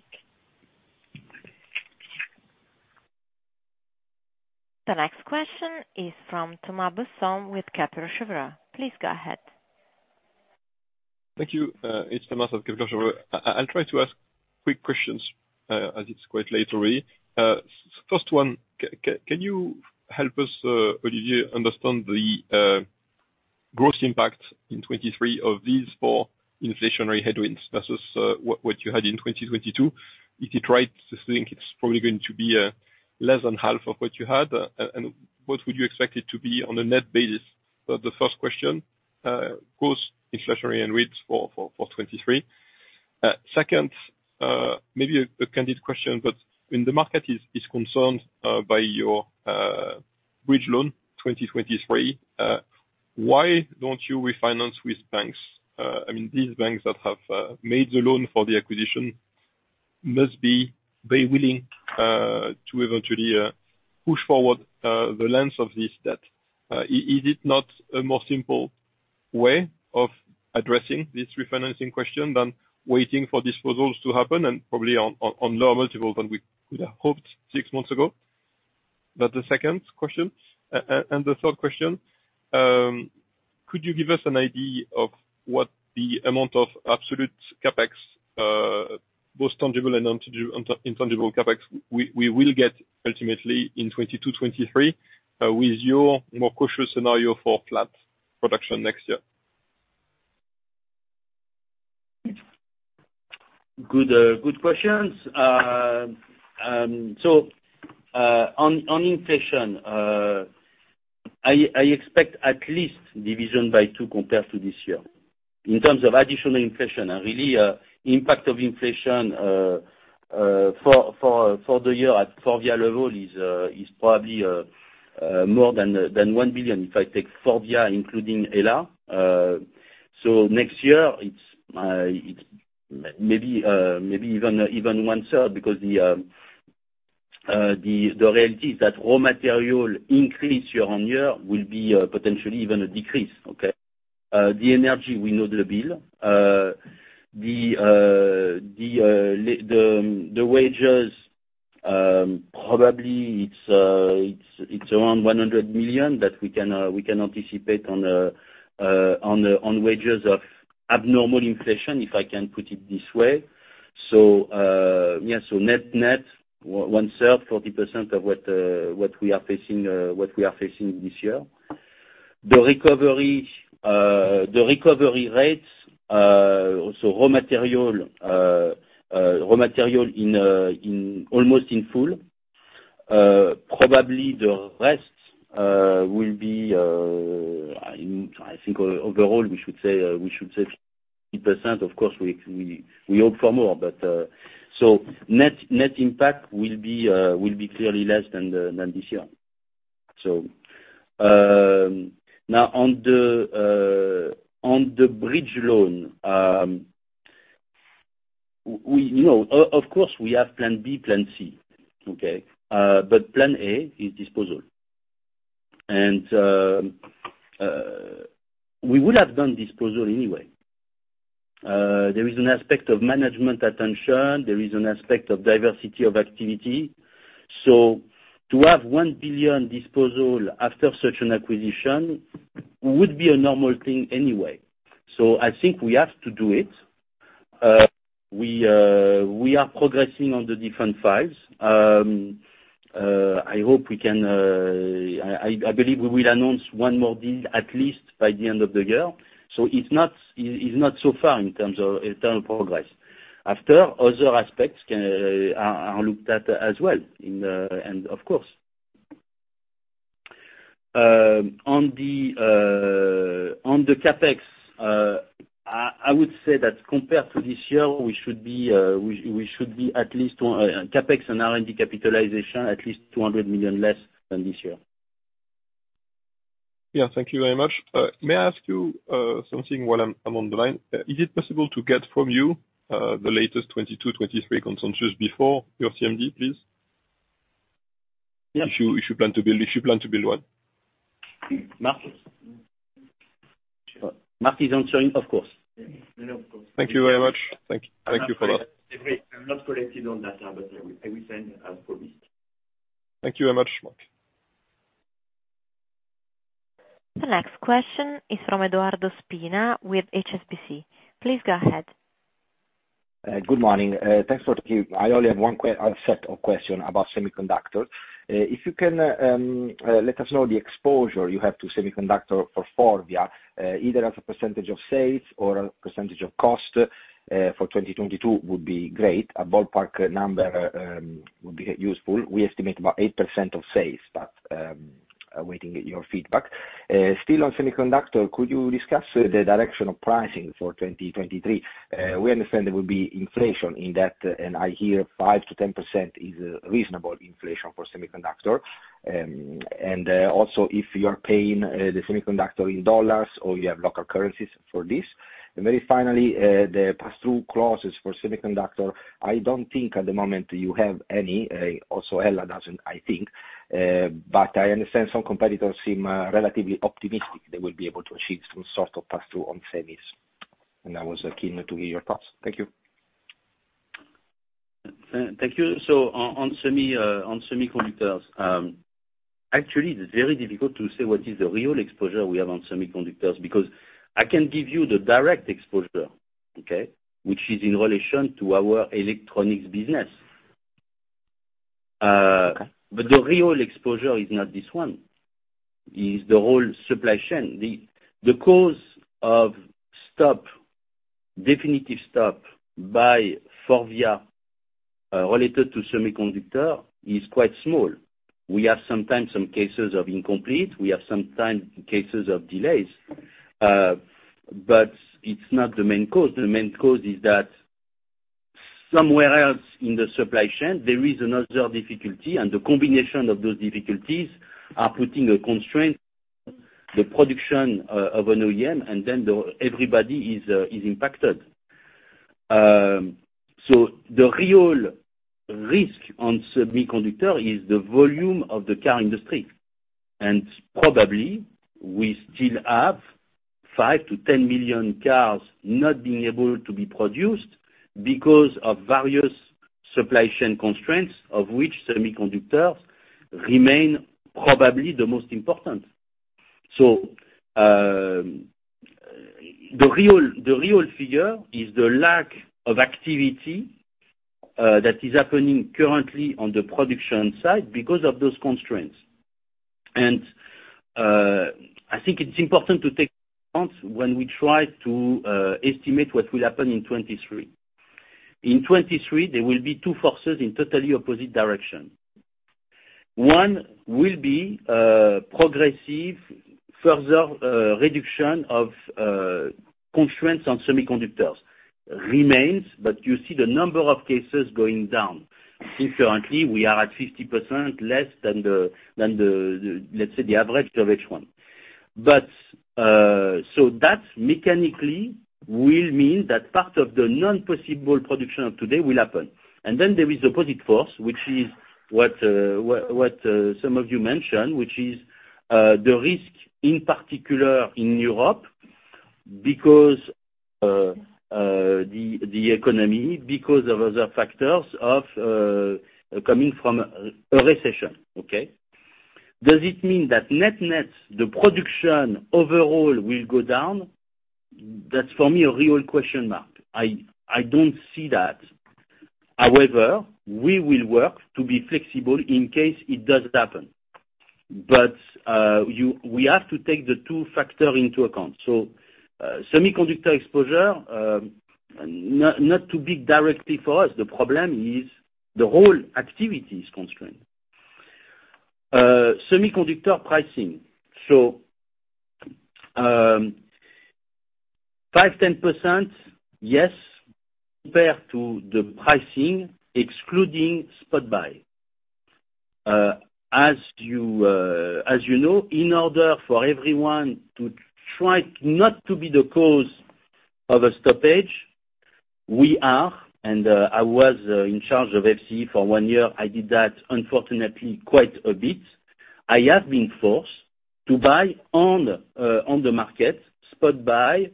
The next question is from Thomas Besson with Kepler Cheuvreux. Please go ahead. Thank you. It's Thomas Besson of Kepler Cheuvreux. I'll try to ask quick questions, as it's quite late already. First one. Can you help us, Olivier Durand, understand the gross impact in 2023 of these four inflationary headwinds versus what you had in 2022? If you try to think it's probably going to be less than half of what you had, and what would you expect it to be on a net basis? The first question, gross inflationary and rates for 2023. Second, maybe a candid question, but when the market is concerned by your bridge loan 2023, why don't you refinance with banks? I mean, these banks that have made the loan for the acquisition must be very willing to eventually push forward the lengths of this debt. Is it not a more simple way of addressing this refinancing question than waiting for disposals to happen and probably on lower multiples than we would have hoped six months ago? That's the second question. The third question, could you give us an idea of what the amount of absolute CapEx, both tangible and intangible CapEx, we will get ultimately in 2022, 2023, with your more cautious scenario for flat production next year? Good questions. On inflation, I expect at least division by two compared to this year. In terms of additional inflation, really, impact of inflation for the year at EBITDA level is probably more than 1 billion if I take Forvia including Hella. Next year it's maybe even one third because the reality is that raw material increase year-on-year will be potentially even a decrease, okay? The energy bill we know. The wages, probably it's around 100 million that we can anticipate on wages of abnormal inflation, if I can put it this way. Yeah. Net-net 1/3, 40% of what we are facing this year. The recovery rates, so raw material in almost in full, probably the rest will be. I think overall we should say 50%. Of course we hope for more, but net impact will be clearly less than this year. Now on the bridge loan, we know. Of course we have plan B, plan C, okay? Plan A is disposal. We would have done disposal anyway. There is an aspect of management attention, there is an aspect of diversity of activity. To have 1 billion disposal after such an acquisition would be a normal thing anyway. I think we have to do it. We are progressing on the different files. I hope we can. I believe we will announce one more deal at least by the end of the year. It's not so far in terms of internal progress. After, other aspects are looked at as well in the end, of course. On the CapEx, I would say that compared to this year, we should be at least CapEx and R&D capitalization at least 200 million less than this year. Yeah. Thank you very much. May I ask you something while I'm on the line? Is it possible to get from you the latest 2022-2023 consensus before your CMD, please? Yeah. If you plan to build one. Marc? Marc is answering. Of course. No, of course. Thank you very much. Thank you. Thank you for that. I'm not collected on that, but I will send as promised. Thank you very much, Marc. The next question is from Edoardo Spina with HSBC. Please go ahead. Good morning. Thanks for talking. I only have one set of questions about semiconductor. If you can let us know the exposure you have to semiconductor for Forvia, either as a percentage of sales or a percentage of cost, for 2022 would be great. A ballpark number would be useful. We estimate about 8% of sales. Still on semiconductor, could you discuss the direction of pricing for 2023? We understand there will be inflation in that, and I hear 5%-10% is reasonable inflation for semiconductor. Also if you are paying the semiconductor in dollars or you have local currencies for this. Then finally, the passthrough clauses for semiconductor. I don't think at the moment you have any, also Hella doesn't, I think. I understand some competitors seem relatively optimistic they will be able to achieve some sort of passthrough on semis, and I was keen to hear your thoughts. Thank you. Thank you. On semiconductors, actually it's very difficult to say what is the real exposure we have on semiconductors, because I can give you the direct exposure, okay? Which is in relation to our electronics business. The real exposure is not this one. It is the whole supply chain. The cause of stop, definitive stop by Faurecia related to semiconductor is quite small. We have sometimes some cases of incomplete, we have sometimes cases of delays, but it's not the main cause. The main cause is that somewhere else in the supply chain there is another difficulty, and the combination of those difficulties are putting a constraint, the production of an OEM, and then everybody is impacted. The real risk on semiconductor is the volume of the car industry. Probably we still have 5-10 million cars not being able to be produced because of various supply chain constraints, of which semiconductors remain probably the most important. The real figure is the lack of activity that is happening currently on the production side because of those constraints. I think it's important to take into account when we try to estimate what will happen in 2023. In 2023, there will be two forces in totally opposite direction. One will be progressive further reduction of constraints on semiconductors. Remains, but you see the number of cases going down. I think currently we are at 50% less than the, let's say the average of each one. So that mechanically will mean that part of the non-possible production of today will happen. There is an opposing force, which is what some of you mentioned, which is the economy because of other factors coming from a recession, okay? Does it mean that net-net, the production overall will go down? That's for me a real question mark. I don't see that. However, we will work to be flexible in case it does happen. We have to take the two factors into account. Semiconductor exposure, not too big directly for us. The problem is the whole activity is constrained. Semiconductor pricing. 5%-10%, yes, compared to the pricing excluding spot buy. As you know, in order for everyone to try not to be the cause of a stoppage, I was in charge of FCE for one year. I did that unfortunately quite a bit. I have been forced to buy on the market, spot buy,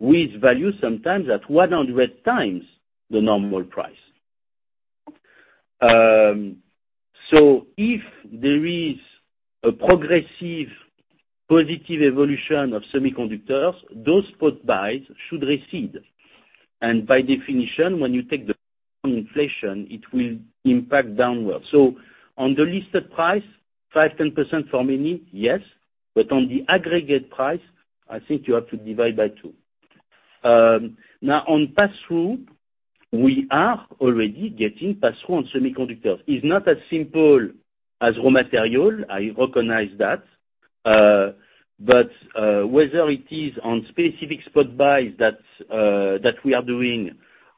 with value sometimes at 100 times the normal price. If there is a progressive positive evolution of semiconductors, those spot buys should recede. By definition, when you take the inflation, it will impact downward. On the listed price, 5%-10% for many, yes. On the aggregate price, I think you have to divide by two. Now on passthrough, we are already getting passthrough on semiconductors. It's not as simple as raw material, I recognize that. Whether it is on specific spot buys that we are doing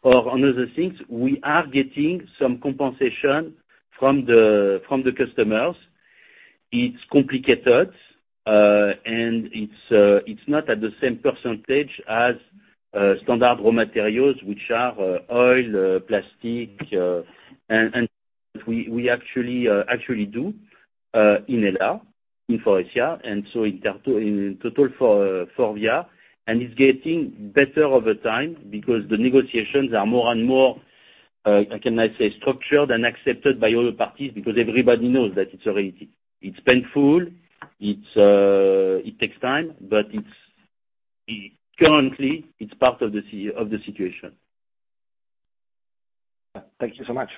or on other things, we are getting some compensation from the customers. It's complicated, and it's not at the same percentage as standard raw materials, which are oil, plastic, and we actually do in HELLA, in Faurecia, and so in total for Faurecia. It's getting better over time because the negotiations are more and more, how can I say, structured and accepted by other parties because everybody knows that it's a reality. It's painful. It takes time, but it's part of the situation. Thank you so much.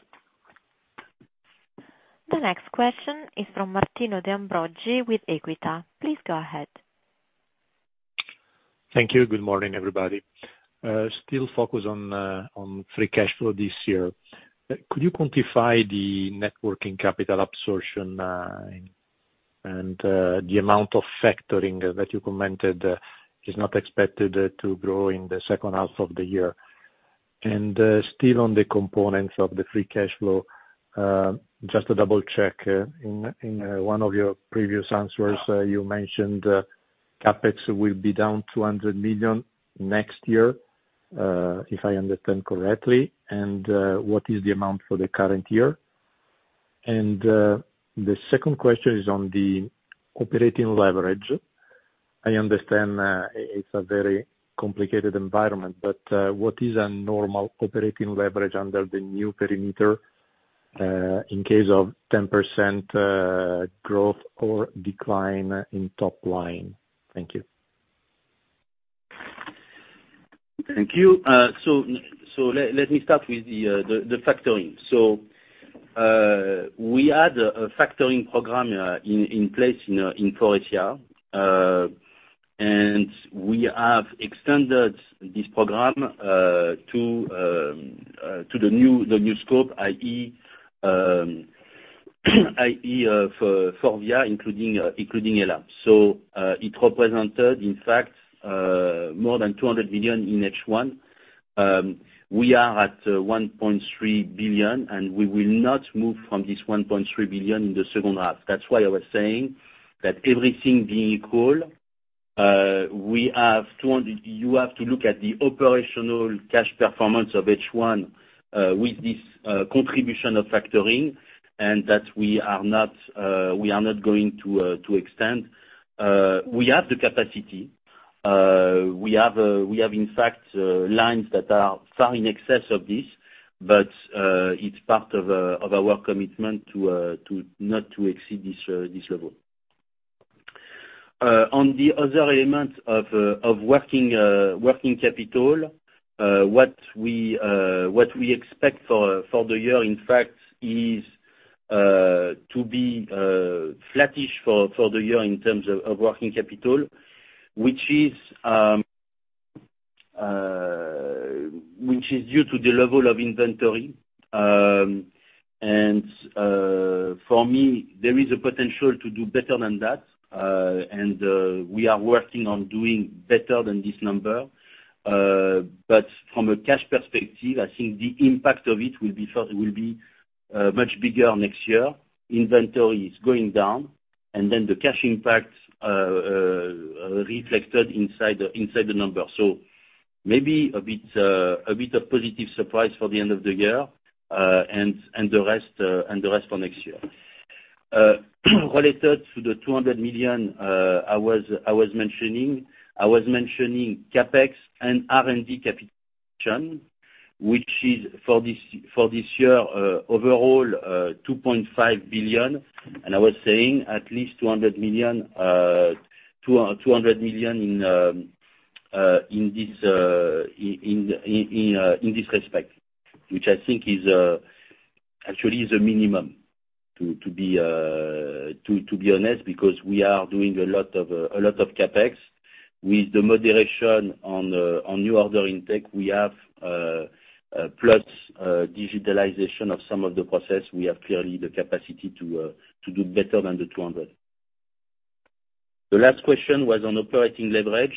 The next question is from Martino De Ambroggi with Equita. Please go ahead. Thank you. Good morning, everybody. Still focused on free cash flow this year. Could you quantify the net working capital absorption, and the amount of factoring that you commented is not expected to grow in the second half of the year? Still on the components of the free cash flow, just to double check, in one of your previous answers, you mentioned CapEx will be down 200 million next year, if I understand correctly, and what is the amount for the current year? The second question is on the operating leverage. I understand it's a very complicated environment, but what is a normal operating leverage under the new perimeter, in case of 10% growth or decline in top line? Thank you. Thank you. Let me start with the factoring. We had a factoring program in place, you know, in Hella. We have extended this program to the new scope, i.e., for Forvia, including Hella. It represented, in fact, more than 200 billion in H1. We are at 1.3 billion, and we will not move from this 1.3 billion in the second half. That's why I was saying that everything being equal, we have 200. You have to look at the operational cash performance of H1 with this contribution of factoring, and that we are not going to extend. We have the capacity. We have, in fact, lines that are far in excess of this, but it's part of our commitment to not exceed this level. On the other element of working capital, what we expect for the year, in fact, is to be flattish for the year in terms of working capital, which is due to the level of inventory. For me, there is a potential to do better than that, and we are working on doing better than this number. From a cash perspective, I think the impact of it will be much bigger next year. Inventory is going down, and then the cash impact reflected inside the number. Maybe a bit of positive surprise for the end of the year, and the rest for next year. Related to the 200 million, I was mentioning CapEx and R&D capitalization, which is for this year, overall, 2.5 billion. I was saying at least 200 million in this respect, which I think actually is a minimum, to be honest, because we are doing a lot of CapEx. With the moderation on new order intake, we have plus digitalization of some of the process. We have clearly the capacity to do better than 200. The last question was on operating leverage.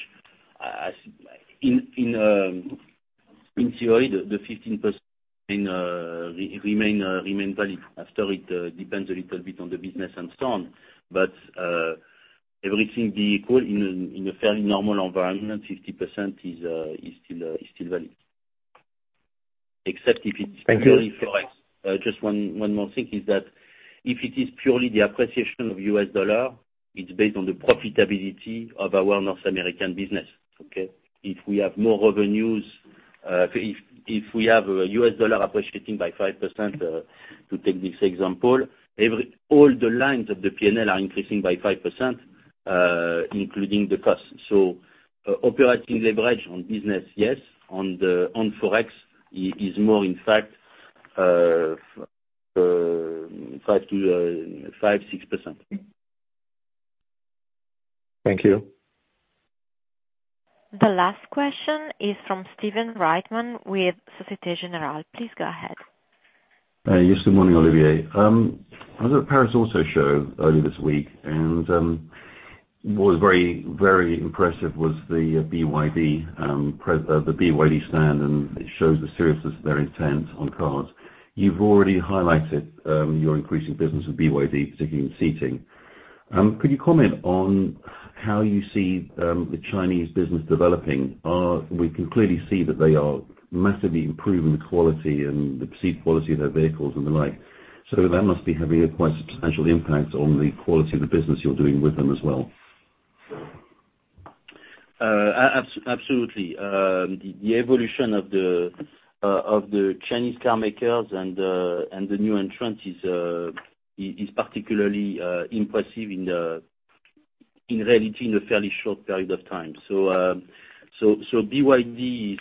As in theory, the 15% remain valid after it depends a little bit on the business and so on. Everything being equal in a fairly normal environment, 50% is still valid. Except if it's purely Forex. Thank you. Just one more thing is that if it is purely the appreciation of the U.S. dollar, it's based on the profitability of our North American business, okay? If we have more revenues, if we have a U.S. dollar appreciating by 5%, to take this example, all the lines of the P&L are increasing by 5%, including the cost. Operating leverage on business, yes. On Forex is more in fact 5%-6%. Thank you. The last question is from Stephen Reitman with Société Générale. Please go ahead. Yes. Good morning, Olivier. I was at Paris Auto Show earlier this week, and what was very impressive was the BYD stand, and it shows the seriousness of their intent on cars. You've already highlighted your increasing business with BYD, particularly in seating. Could you comment on how you see the Chinese business developing? We can clearly see that they are massively improving the quality and the perceived quality of their vehicles and the like. That must be having a quite substantial impact on the quality of the business you're doing with them as well. Absolutely. The evolution of the Chinese car makers and the new entrants is particularly impressive in reality in a fairly short period of time. BYD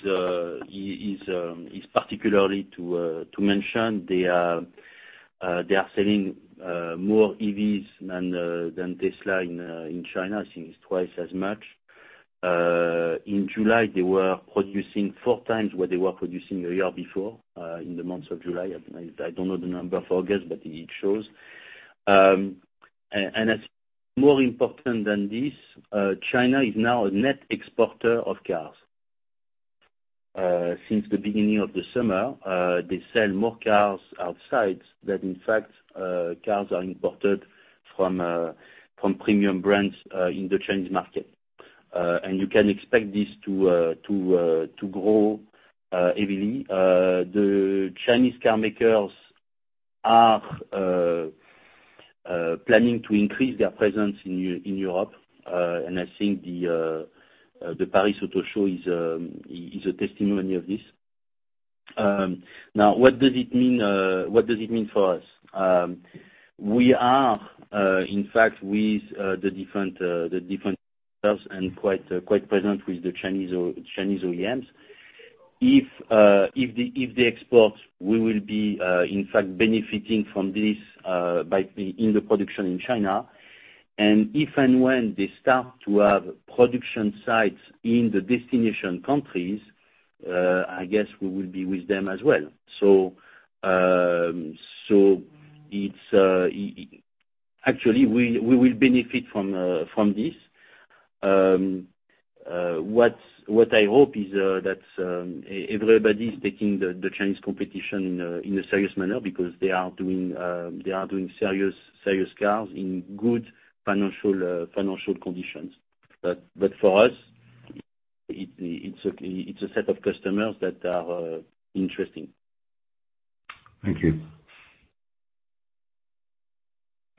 is particularly to mention. They are selling more EVs than Tesla in China. I think it's twice as much. In July, they were producing four times what they were producing a year before in the months of July. I don't know the number for August, but it shows. It's more important than this. China is now a net exporter of cars. Since the beginning of the summer, they sell more cars outside than, in fact, cars are imported from premium brands in the Chinese market. You can expect this to grow heavily. The Chinese carmakers are planning to increase their presence in Europe. I think the Paris Auto Show is a testimony of this. Now, what does it mean for us? We are in fact with the different and quite present with the Chinese OEMs. If the exports we will be in fact benefiting from this by the production in China and if and when they start to have production sites in the destination countries, I guess we will be with them as well. Actually we will benefit from this. What I hope is that everybody is taking the Chinese competition in a serious manner because they are doing serious cars in good financial conditions. For us, it's a set of customers that are interesting. Thank you.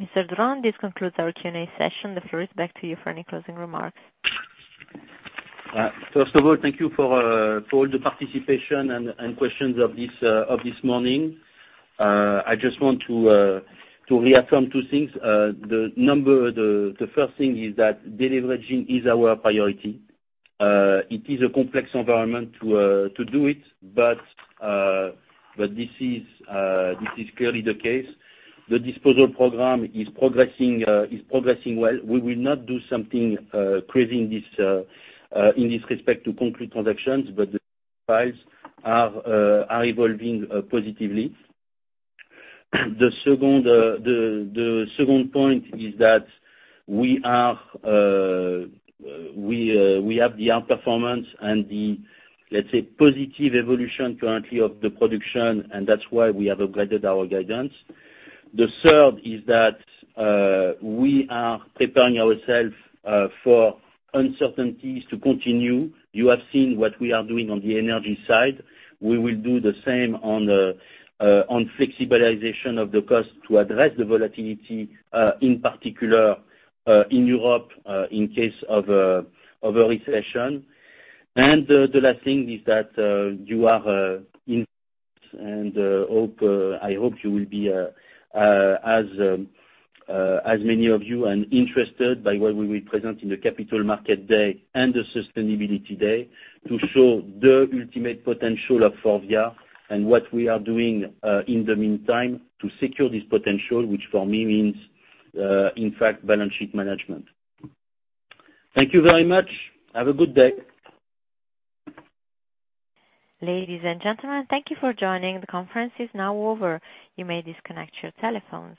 Mr. Durand, this concludes our Q&A session. The floor is back to you for any closing remarks. First of all, thank you for the participation and questions of this morning. I just want to reaffirm two things. The first thing is that deleveraging is our priority. It is a complex environment to do it, but this is clearly the case. The disposal program is progressing well. We will not do something creating this in this respect to concrete transactions, but the files are evolving positively. The second point is that we have the outperformance and the, let's say, positive evolution currently of the production, and that's why we have upgraded our guidance. The third is that we are preparing ourself for uncertainties to continue. You have seen what we are doing on the energy side. We will do the same on flexibilization of the cost to address the volatility, in particular, in Europe, in case of a recession. The last thing is that I hope you will be, as many of you are interested by what we will present in the Capital Market Day and the Sustainability Day to show the ultimate potential of Faurecia and what we are doing, in the meantime, to secure this potential, which for me means, in fact, balance sheet management. Thank you very much. Have a good day. Ladies and gentlemen, thank you for joining. The conference is now over. You may disconnect your telephones.